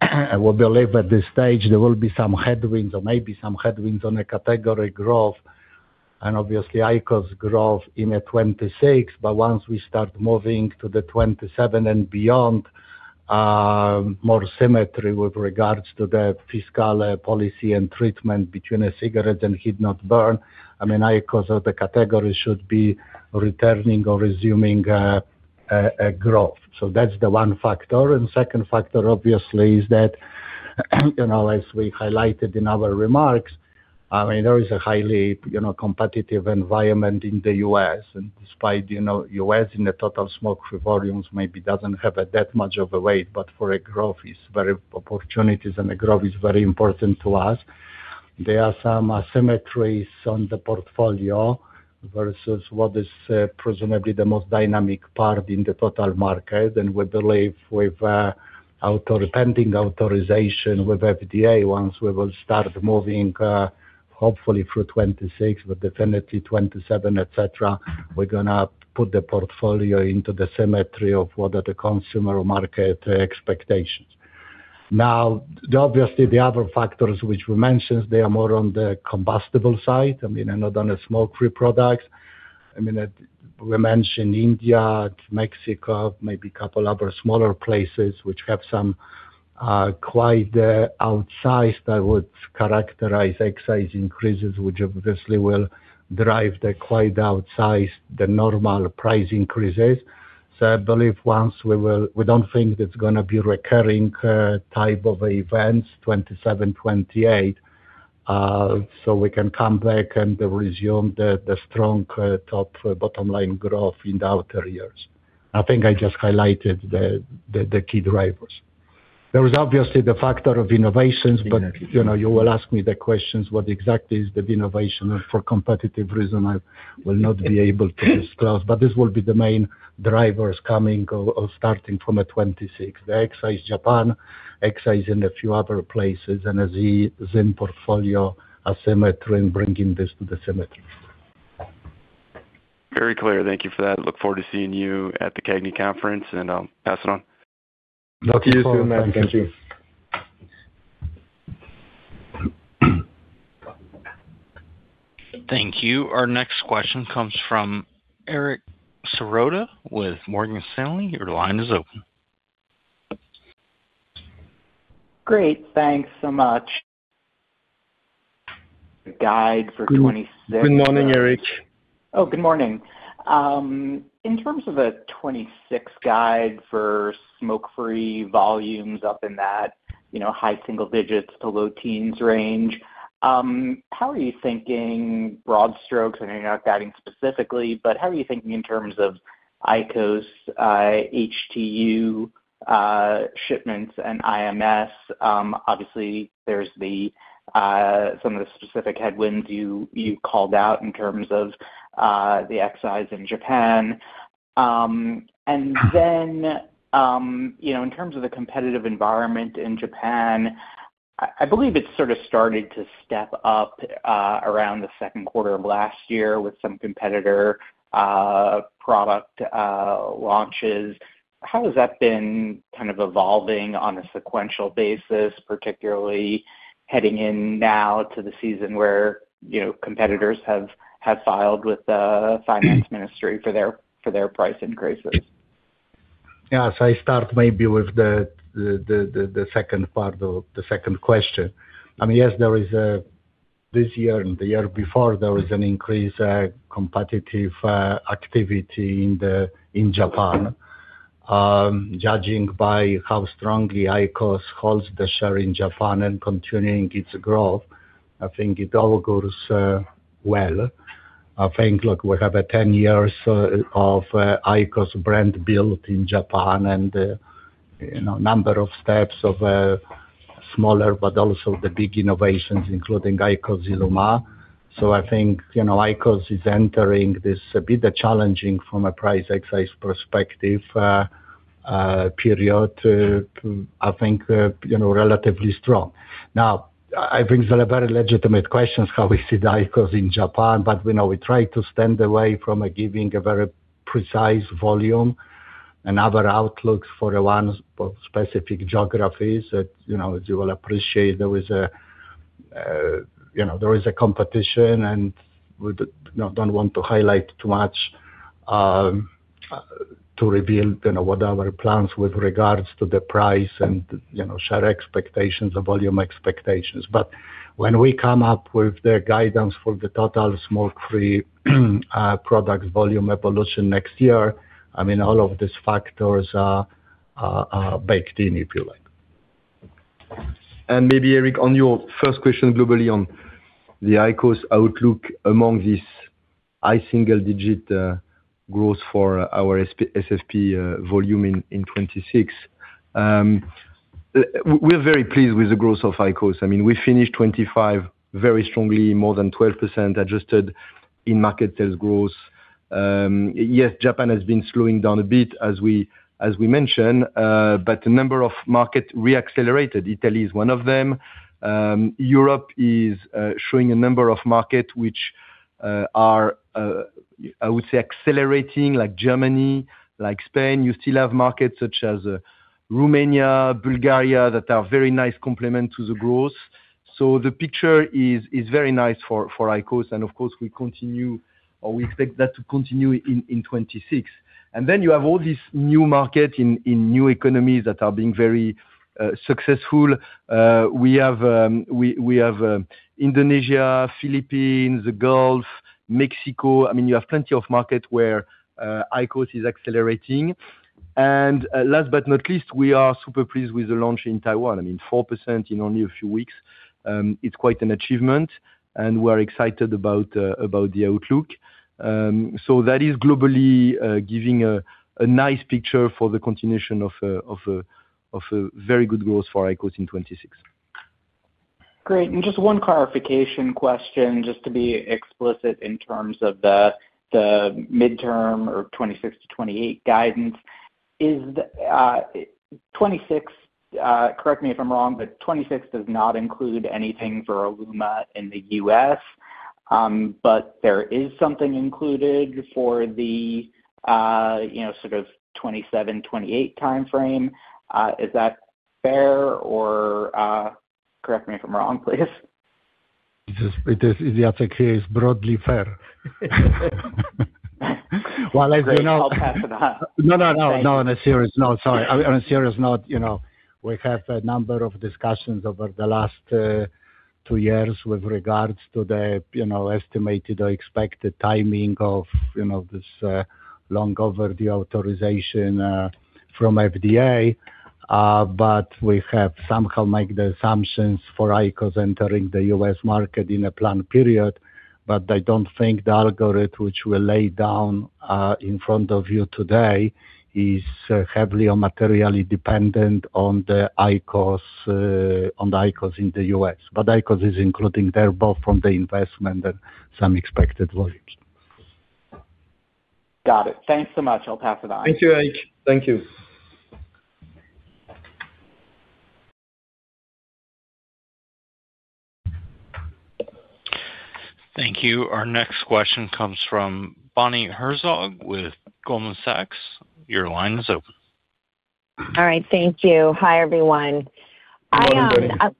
at this stage, there will be some headwinds or maybe some headwinds on a category growth and obviously IQOS growth in 2026, but once we start moving to the 2027 and beyond, more symmetry with regards to the fiscal policy and treatment between cigarettes and heat-not-burn, I mean, IQOS or the category should be returning or resuming growth. So that's the one factor. And second factor, obviously, is that, as we highlighted in our remarks, I mean, there is a highly competitive environment in the U.S., and despite the U.S. in the total smoke-free volumes maybe doesn't have that much of a weight, but for a growth, opportunities and a growth is very important to us. There are some asymmetries on the portfolio versus what is presumably the most dynamic part in the total market, and we believe with pending authorization with FDA, once we will start moving, hopefully through 2026, but definitely 2027, etc., we're going to put the portfolio into the symmetry of what are the consumer market expectations. Now, obviously, the other factors which we mentioned, they are more on the combustible side, I mean, and not on the smoke-free products. I mean, we mentioned India, Mexico, maybe a couple of other smaller places which have some quite outsized, I would characterize, excise increases which obviously will drive the quite outsized the normal price increases. So I believe once we will, we don't think it's going to be recurring type of events 2027, 2028, so we can come back and resume the strong top-bottom-line growth in the outer years. I think I just highlighted the key drivers. There is obviously the factor of innovations, but you will ask me the questions, what exactly is the innovation, and for competitive reasons, I will not be able to disclose, but this will be the main drivers coming or starting from 2026. The excise Japan, excise in a few other places, and a ZYN portfolio asymmetry and bringing this to the symmetry. Very clear. Thank you for that. Look forward to seeing you at the CAGNY conference, and I'll pass it on. You too, Matt. Thank you. Thank you. Our next question comes from Eric Serotta with Morgan Stanley. Your line is open. Great. Thanks so much. The guide for 2026. Good morning, Eric. Oh, good morning. In terms of a 2026 guide for smoke-free volumes up in that high single-digits to low teens range, how are you thinking broad strokes? I know you're not guiding specifically, but how are you thinking in terms of IQOS, HTU shipments, and IMS? Obviously, there's some of the specific headwinds you called out in terms of the excise in Japan. And then in terms of the competitive environment in Japan, I believe it sort of started to step up around the second quarter of last year with some competitor product launches. How has that been kind of evolving on a sequential basis, particularly heading in now to the season where competitors have filed with the Finance Ministry for their price increases? Yes, I start maybe with the second part of the second question. I mean, yes, there is a this year and the year before, there was an increase in competitive activity in Japan. Judging by how strongly IQOS holds the share in Japan and continuing its growth, I think it all goes well. I think, look, we have 10 years of IQOS brand build in Japan and a number of steps of smaller, but also the big innovations, including IQOS ILUMA. So I think IQOS is entering this a bit challenging from a price excise perspective period, I think, relatively strong. Now, I think there are very legitimate questions how we see the IQOS in Japan, but we try to stand away from giving a very precise volume and other outlooks for the one specific geographies that, as you will appreciate, there is a competition, and we don't want to highlight too much to reveal what our plans with regards to the price and share expectations, the volume expectations. But when we come up with the guidance for the total smoke-free products volume evolution next year, I mean, all of these factors are baked in, if you like. And maybe, Eric, on your first question globally on the IQOS outlook among this high single-digit growth for our SFP volume in 2026, we're very pleased with the growth of IQOS. I mean, we finished 2025 very strongly, more than 12% adjusted in market sales growth. Yes, Japan has been slowing down a bit, as we mentioned, but a number of markets reaccelerated. Italy is one of them. Europe is showing a number of markets which are, I would say, accelerating, like Germany, like Spain. You still have markets such as Romania, Bulgaria that are very nice complement to the growth. So the picture is very nice for IQOS, and of course, we continue or we expect that to continue in 2026. And then you have all these new markets in new economies that are being very successful. We have Indonesia, Philippines, the Gulf, Mexico. I mean, you have plenty of markets where IQOS is accelerating. And last but not least, we are super pleased with the launch in Taiwan. I mean, 4% in only a few weeks. It's quite an achievement, and we are excited about the outlook. So that is globally giving a nice picture for the continuation of a very good growth for IQOS in 2026. Great. Just one clarification question, just to be explicit in terms of the midterm or 2026 to 2028 guidance. Is 2026, correct me if I'm wrong, but 2026 does not include anything for ILUMA in the U.S., but there is something included for the sort of 2027, 2028 timeframe. Is that fair, or correct me if I'm wrong, please? Yes, it's broadly fair. Well, as you know. I'll pass it on. No, no, no, no, on a serious note. Sorry. On a serious note, we have a number of discussions over the last two years with regards to the estimated or expected timing of this long-overdue authorization from FDA, but we have somehow made the assumptions for IQOS entering the U.S. market in a planned period, but I don't think the algorithm which we laid down in front of you today is heavily or materially dependent on the IQOS in the U.S. But IQOS is including there both from the investment and some expected volume. Got it. Thanks so much. I'll pass it on. Thank you, Eric. Thank you. Thank you. Our next question comes from Bonnie Herzog with Goldman Sachs. Your line is open. All right. Thank you. Hi, everyone. Hi.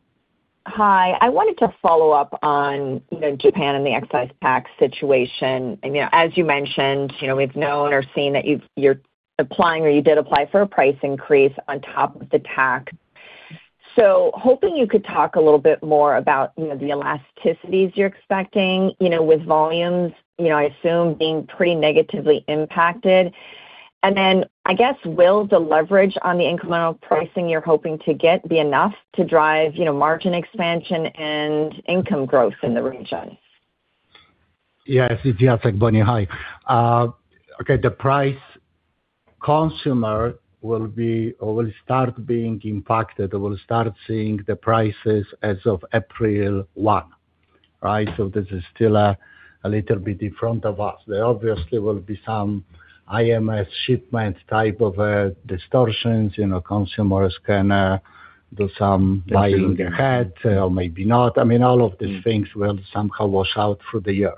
I wanted to follow up on Japan and the excise tax situation. As you mentioned, we've known or seen that you're applying or you did apply for a price increase on top of the tax. So hoping you could talk a little bit more about the elasticities you're expecting with volumes, I assume, being pretty negatively impacted. And then I guess, will the leverage on the incremental pricing you're hoping to get be enough to drive margin expansion and income growth in the region? Yes, it's Jacek. Bonnie, hi. Okay, the prices consumers will start being impacted. We'll start seeing the prices as of April 1, right? So this is still a little bit in front of us. There obviously will be some IMS shipment type of distortions. Consumers can do some buying ahead or maybe not. I mean, all of these things will somehow wash out through the year.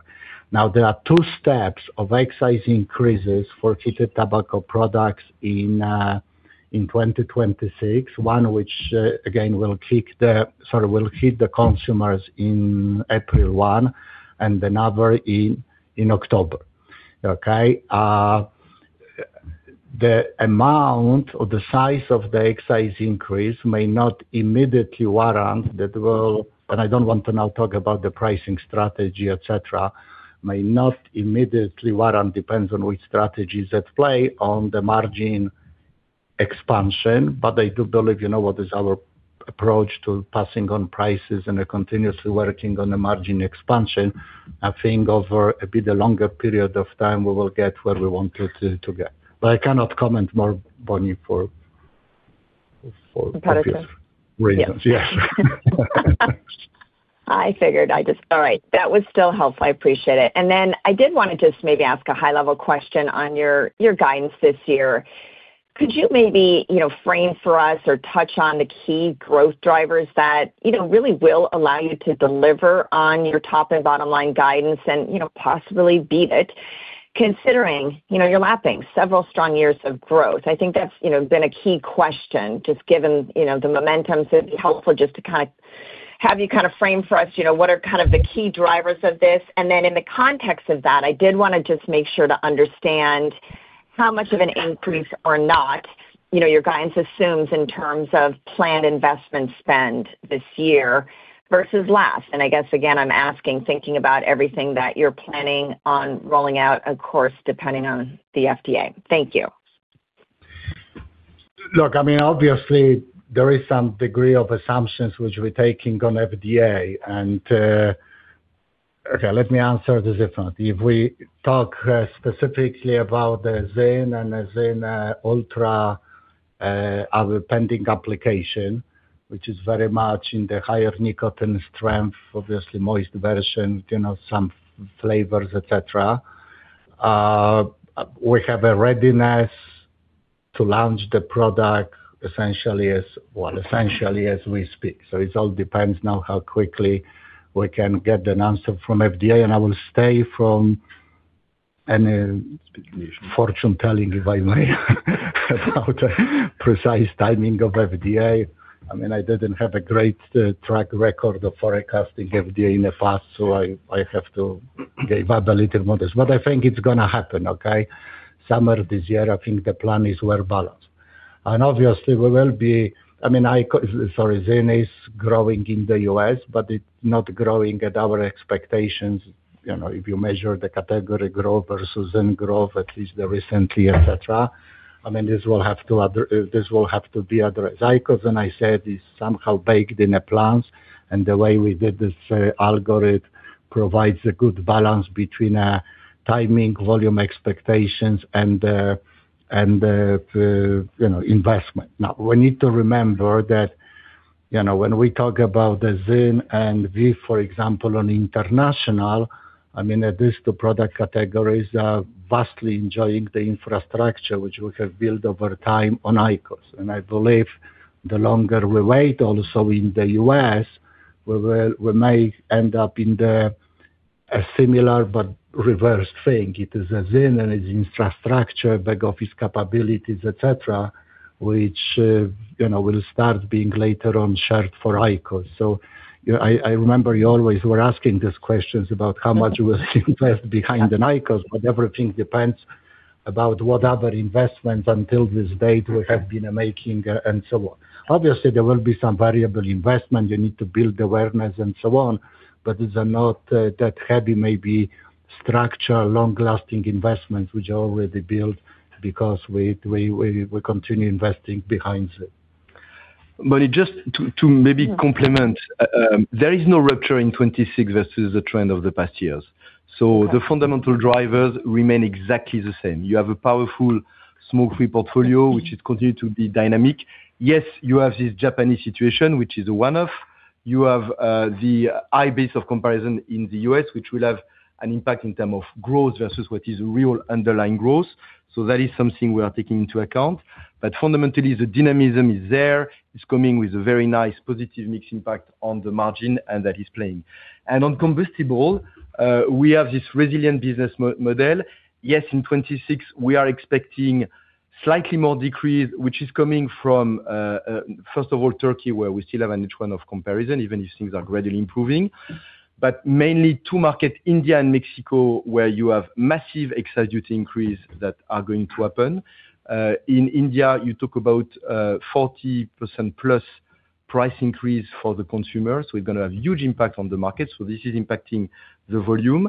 Now, there are two steps of excise increases for heated tobacco products in 2026, one which, again, will hit the consumers in April 1 and another in October, okay? The amount or the size of the excise increase may not immediately warrant that will and I don't want to now talk about the pricing strategy, etc., may not immediately warrant depends on which strategies at play on the margin expansion, but I do believe what is our approach to passing on prices and continuously working on the margin expansion, I think over a bit longer period of time, we will get where we wanted to get. But I cannot comment more, Bonnie, for obvious reasons. I figured. All right. That was still helpful. I appreciate it. And then I did want to just maybe ask a high-level question on your guidance this year. Could you maybe frame for us or touch on the key growth drivers that really will allow you to deliver on your top- and bottom-line guidance and possibly beat it, considering you're lapping several strong years of growth? I think that's been a key question just given the momentum. So it'd be helpful just to kind of have you kind of frame for us what are kind of the key drivers of this. And then in the context of that, I did want to just make sure to understand how much of an increase or not your guidance assumes in terms of planned investment spend this year versus last. I guess, again, I'm asking, thinking about everything that you're planning on rolling out, of course, depending on the FDA. Thank you. Look, I mean, obviously, there is some degree of assumptions which we're taking on FDA. Okay, let me answer this differently. If we talk specifically about the ZYN and the ZYN Ultra pending application, which is very much in the higher nicotine strength, obviously, moist version, some flavors, etc., we have a readiness to launch the product essentially as well, essentially as we speak. So it all depends now how quickly we can get an answer from FDA. And I will stay away from any fortune-telling, if I may, about precise timing of FDA. I mean, I didn't have a great track record of forecasting FDA in the past, so I have to give up a little more of this. But I think it's going to happen, okay? Summer this year, I think the plan is well balanced. Obviously, we will be—I mean, sorry—ZYN is growing in the U.S., but it's not growing at our expectations if you measure the category growth versus ZYN growth, at least recently, etc. I mean, this will have to be addressed. IQOS, as I said, is somehow baked in the plans, and the way we did this algorithm provides a good balance between timing, volume expectations, and investment. Now, we need to remember that when we talk about the ZYN and VEEV, for example, on international, I mean, these two product categories are vastly enjoying the infrastructure which we have built over time on IQOS. And I believe the longer we wait, also in the U.S., we may end up in a similar but reversed thing. It is a ZYN, and it's infrastructure, back-office capabilities, etc., which will start being later on shared for IQOS. So I remember you always were asking these questions about how much we'll invest behind an IQOS, but everything depends about what other investments until this date we have been making and so on. Obviously, there will be some variable investment. You need to build awareness and so on, but it's not that heavy, maybe structured, long-lasting investments which are already built because we continue investing behind ZYN. Bonnie, just to maybe complement, there is no rupture in 2026 versus the trend of the past years. So the fundamental drivers remain exactly the same. You have a powerful smoke-free portfolio which continues to be dynamic. Yes, you have this Japanese situation which is a one-off. You have the high base of comparison in the U.S. which will have an impact in terms of growth versus what is real underlying growth. So that is something we are taking into account. But fundamentally, the dynamism is there. It's coming with a very nice positive mix impact on the margin, and that is playing. On combustible, we have this resilient business model. Yes, in 2026, we are expecting slightly more decrease, which is coming from, first of all, Turkey where we still have an H1 of comparison, even if things are gradually improving. But mainly two markets, India and Mexico, where you have massive excise duty increase that are going to happen. In India, you talk about 40%+ price increase for the consumer. So we're going to have huge impact on the markets. So this is impacting the volume.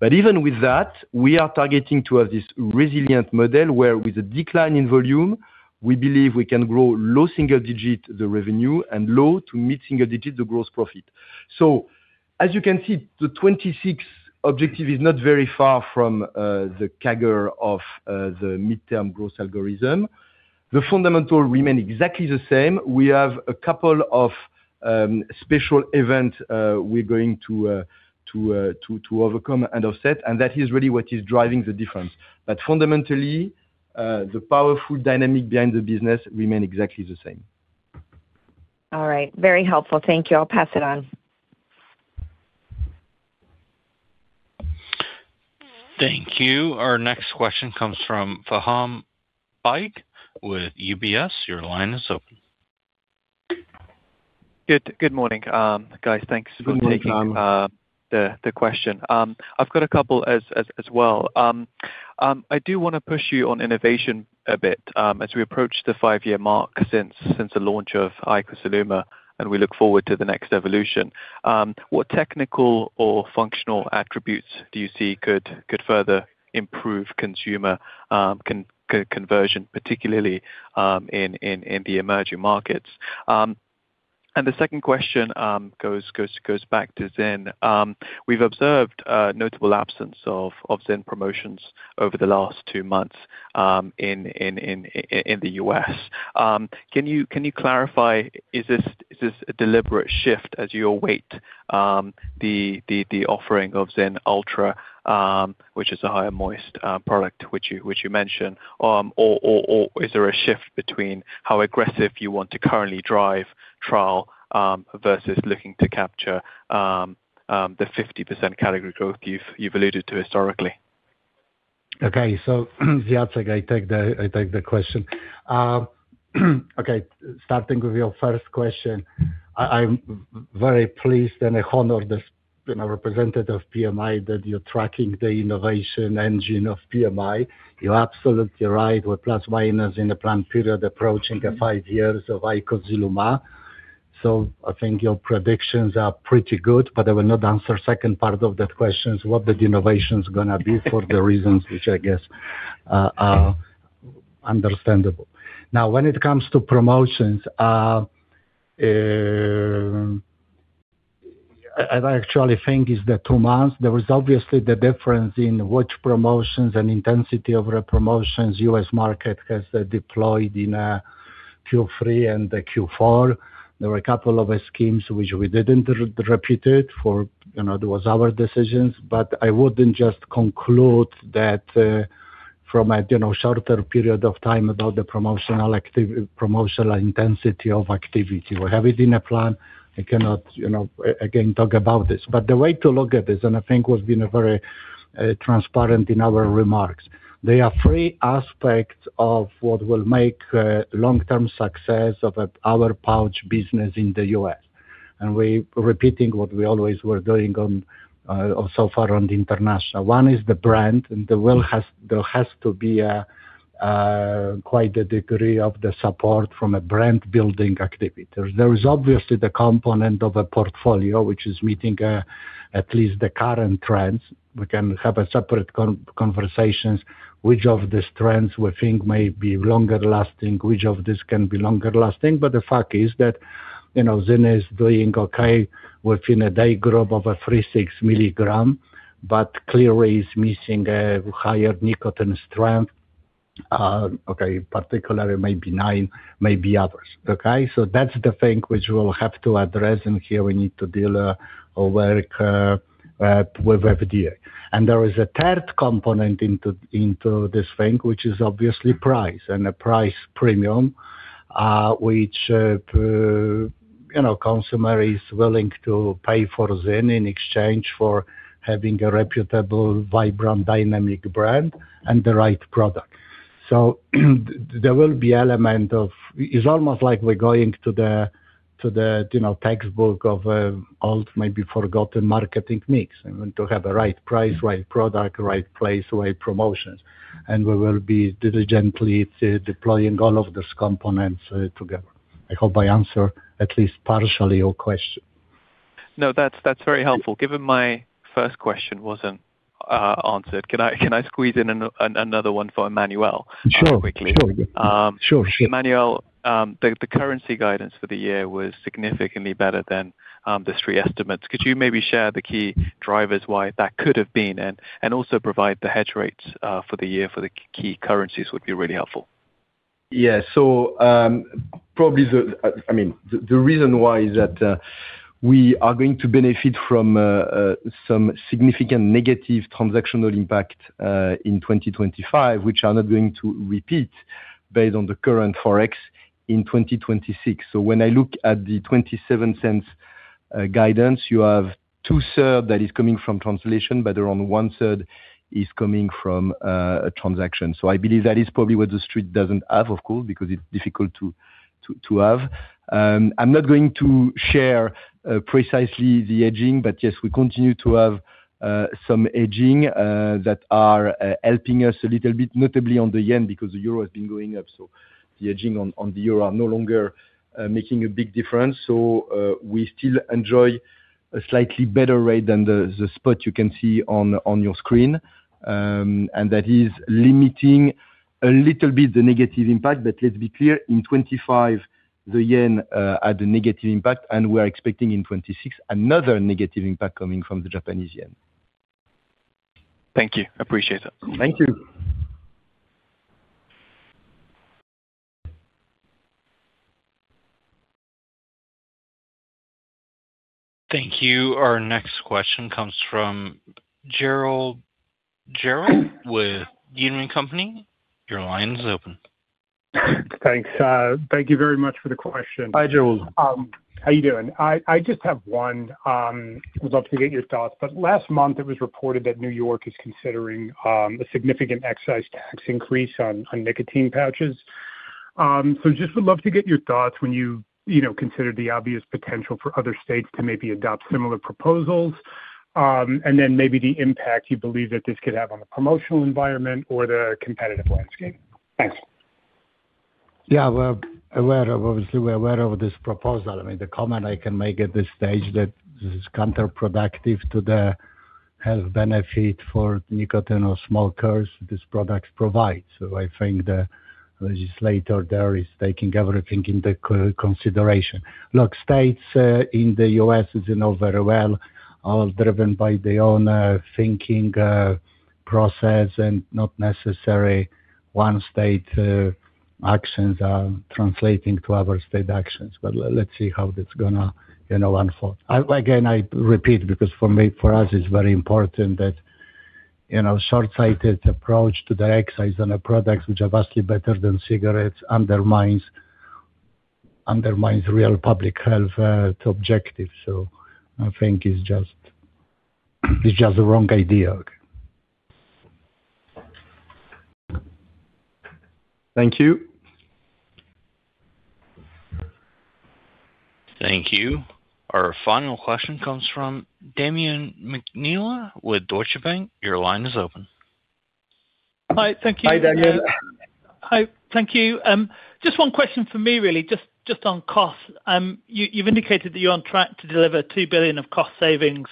But even with that, we are targeting to have this resilient model where, with a decline in volume, we believe we can grow low single-digit the revenue and low to mid-single-digit the gross profit. So as you can see, the 2026 objective is not very far from the kernel of the midterm growth algorithm. The fundamental remains exactly the same. We have a couple of special events we're going to overcome and offset, and that is really what is driving the difference. But fundamentally, the powerful dynamic behind the business remains exactly the same. All right. Very helpful. Thank you. I'll pass it on. Thank you. Our next question comes from Faham Baig with UBS. Your line is open. Good morning, guys. Thanks for taking the question. I've got a couple as well. I do want to push you on innovation a bit as we approach the five-year mark since the launch of IQOS ILUMA, and we look forward to the next evolution. What technical or functional attributes do you see could further improve consumer conversion, particularly in the emerging markets? And the second question goes back to ZYN. We've observed a notable absence of ZYN promotions over the last two months in the U.S. Can you clarify, is this a deliberate shift as you await the offering of ZYN Ultra, which is a higher-strength product which you mentioned, or is there a shift between how aggressive you want to currently drive trial versus looking to capture the 50% category growth you've alluded to historically? Okay. So Jacek, I take the question. Okay, starting with your first question, I'm very pleased and an honor that's representative of PMI that you're tracking the innovation engine of PMI. You're absolutely right. We're plus-minus in a planned period approaching five years of IQOS ILUMA. So I think your predictions are pretty good, but I will not answer the second part of that question. What the innovation is going to be for the reasons which I guess are understandable. Now, when it comes to promotions, I actually think it's the two months. There is obviously the difference in which promotions and intensity of the promotions U.S. market has deployed in Q3 and Q4. There were a couple of schemes which we didn't repeat it for it was our decisions. But I wouldn't just conclude that from a shorter period of time about the promotional intensity of activity. We have it in a plan. I cannot, again, talk about this. But the way to look at this, and I think we've been very transparent in our remarks, there are three aspects of what will make long-term success of our pouch business in the U.S., and we're repeating what we always were doing so far on international. One is the brand, and there has to be quite a degree of the support from a brand-building activity. There is obviously the component of a portfolio which is meeting at least the current trends. We can have separate conversations which of these trends we think may be longer-lasting, which of these can be longer-lasting. But the fact is that ZYN is doing okay within a dry group of a 3, 6 mg, but clearly is missing a higher nicotine strength, okay, particularly maybe 9, maybe others, okay? So that's the thing which we'll have to address, and here we need to deal or work with FDA. There is a third component into this thing which is obviously price and a price premium which consumer is willing to pay for ZYN in exchange for having a reputable, vibrant, dynamic brand and the right product. There will be element of it's almost like we're going to the textbook of an old, maybe forgotten marketing mix. We want to have the right price, right product, right place, right promotions. We will be diligently deploying all of these components together. I hope I answer at least partially your question. No, that's very helpful. Given my first question wasn't answered, can I squeeze in another one for Emmanuel quickly? Sure. Sure. Sure. Emmanuel, the currency guidance for the year was significantly better than the Street estimates. Could you maybe share the key drivers why that could have been and also provide the hedge rates for the year for the key currencies? Would be really helpful. Yeah. So probably the, I mean, the reason why is that we are going to benefit from some significant negative transactional impact in 2025 which are not going to repeat based on the current forex in 2026. So when I look at the $0.27 guidance, you have two-thirds that is coming from translation, but around one-third is coming from transaction. So I believe that is probably what the Street doesn't have, of course, because it's difficult to have. I'm not going to share precisely the hedging, but yes, we continue to have some hedging that are helping us a little bit, notably on the yen because the euro has been going up. So the hedging on the euro are no longer making a big difference. So we still enjoy a slightly better rate than the spot you can see on your screen. That is limiting a little bit the negative impact. Let's be clear, in 2025, the Japanese yen had a negative impact, and we are expecting in 2026 another negative impact coming from the Japanese yen. Thank you. Appreciate it. Thank you. Thank you. Our next question comes from Gerald Pascarelli with Needham & Company. Your line is open. Thanks. Thank you very much for the question. Hi, Gerald. How are you doing? I just have one. I would love to get your thoughts. But last month, it was reported that New York is considering a significant excise tax increase on nicotine pouches. So just would love to get your thoughts when you consider the obvious potential for other states to maybe adopt similar proposals and then maybe the impact you believe that this could have on the promotional environment or the competitive landscape. Thanks. Yeah. Obviously, we're aware of this proposal. I mean, the comment I can make at this stage is that this is counterproductive to the health benefit for nicotine or smokers these products provide. So I think the legislator there is taking everything into consideration. Look, states in the U.S. isn't all very well. All driven by their own thinking process and not necessarily one state's actions are translating to other state actions. But let's see how that's going to unfold. Again, I repeat because for us, it's very important that shortsighted approach to the excise on the products which are vastly better than cigarettes undermines real public health objectives. So I think it's just a wrong idea. Thank you. Thank you. Our final question comes from Damian McNeela with Deutsche Bank. Your line is open. Hi. Thank you. Hi, Damian. Hi. Thank you. Just one question for me, really, just on costs. You've indicated that you're on track to deliver $2 billion of cost savings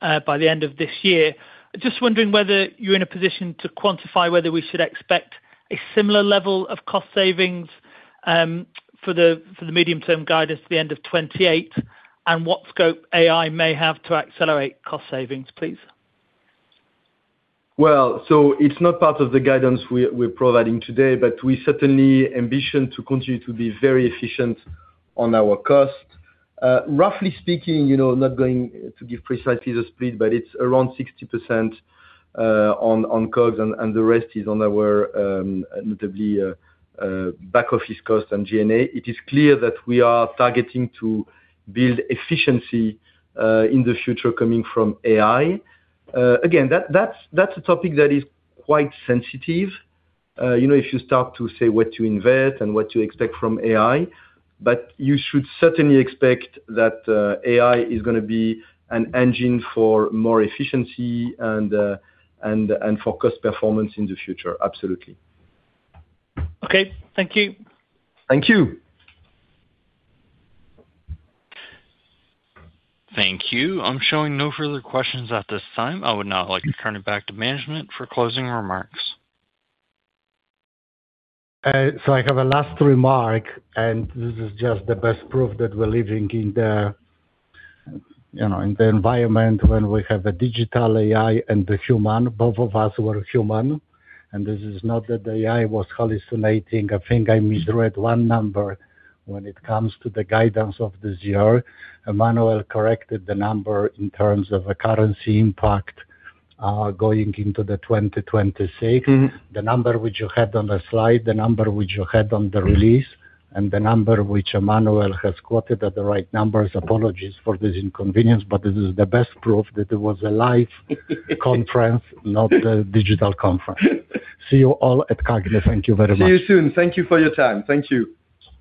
by the end of this year. Just wondering whether you're in a position to quantify whether we should expect a similar level of cost savings for the medium-term guidance at the end of 2028 and what scope AI may have to accelerate cost savings, please. Well, so it's not part of the guidance we're providing today, but we certainly ambition to continue to be very efficient on our cost. Roughly speaking, not going to give precisely the split, but it's around 60% on COGS, and the rest is on our notably back-office costs and G&A. It is clear that we are targeting to build efficiency in the future coming from AI. Again, that's a topic that is quite sensitive if you start to say what to invest and what to expect from AI. But you should certainly expect that AI is going to be an engine for more efficiency and for cost performance in the future, absolutely. Okay. Thank you. Thank you. Thank you. I'm showing no further questions at this time. I would now like to turn it back to management for closing remarks. So I have a last remark, and this is just the best proof that we're living in the environment when we have a digital AI and the human. Both of us were human. And this is not that the AI was hallucinating. I think I misread one number when it comes to the guidance of this year. Emmanuel corrected the number in terms of the currency impact going into 2026, the number which you had on the slide, the number which you had on the release, and the number which Emmanuel has quoted as the right numbers. Apologies for this inconvenience, but this is the best proof that it was a live conference, not a digital conference. See you all at CAGNY. Thank you very much. See you soon. Thank you for your time. Thank you.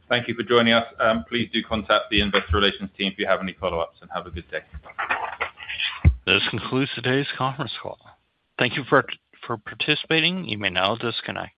Thank you for joining us. Please do contact the investor relations team if you have any follow-ups, and have a good day. That concludes today's conference call. Thank you for participating. You may now disconnect.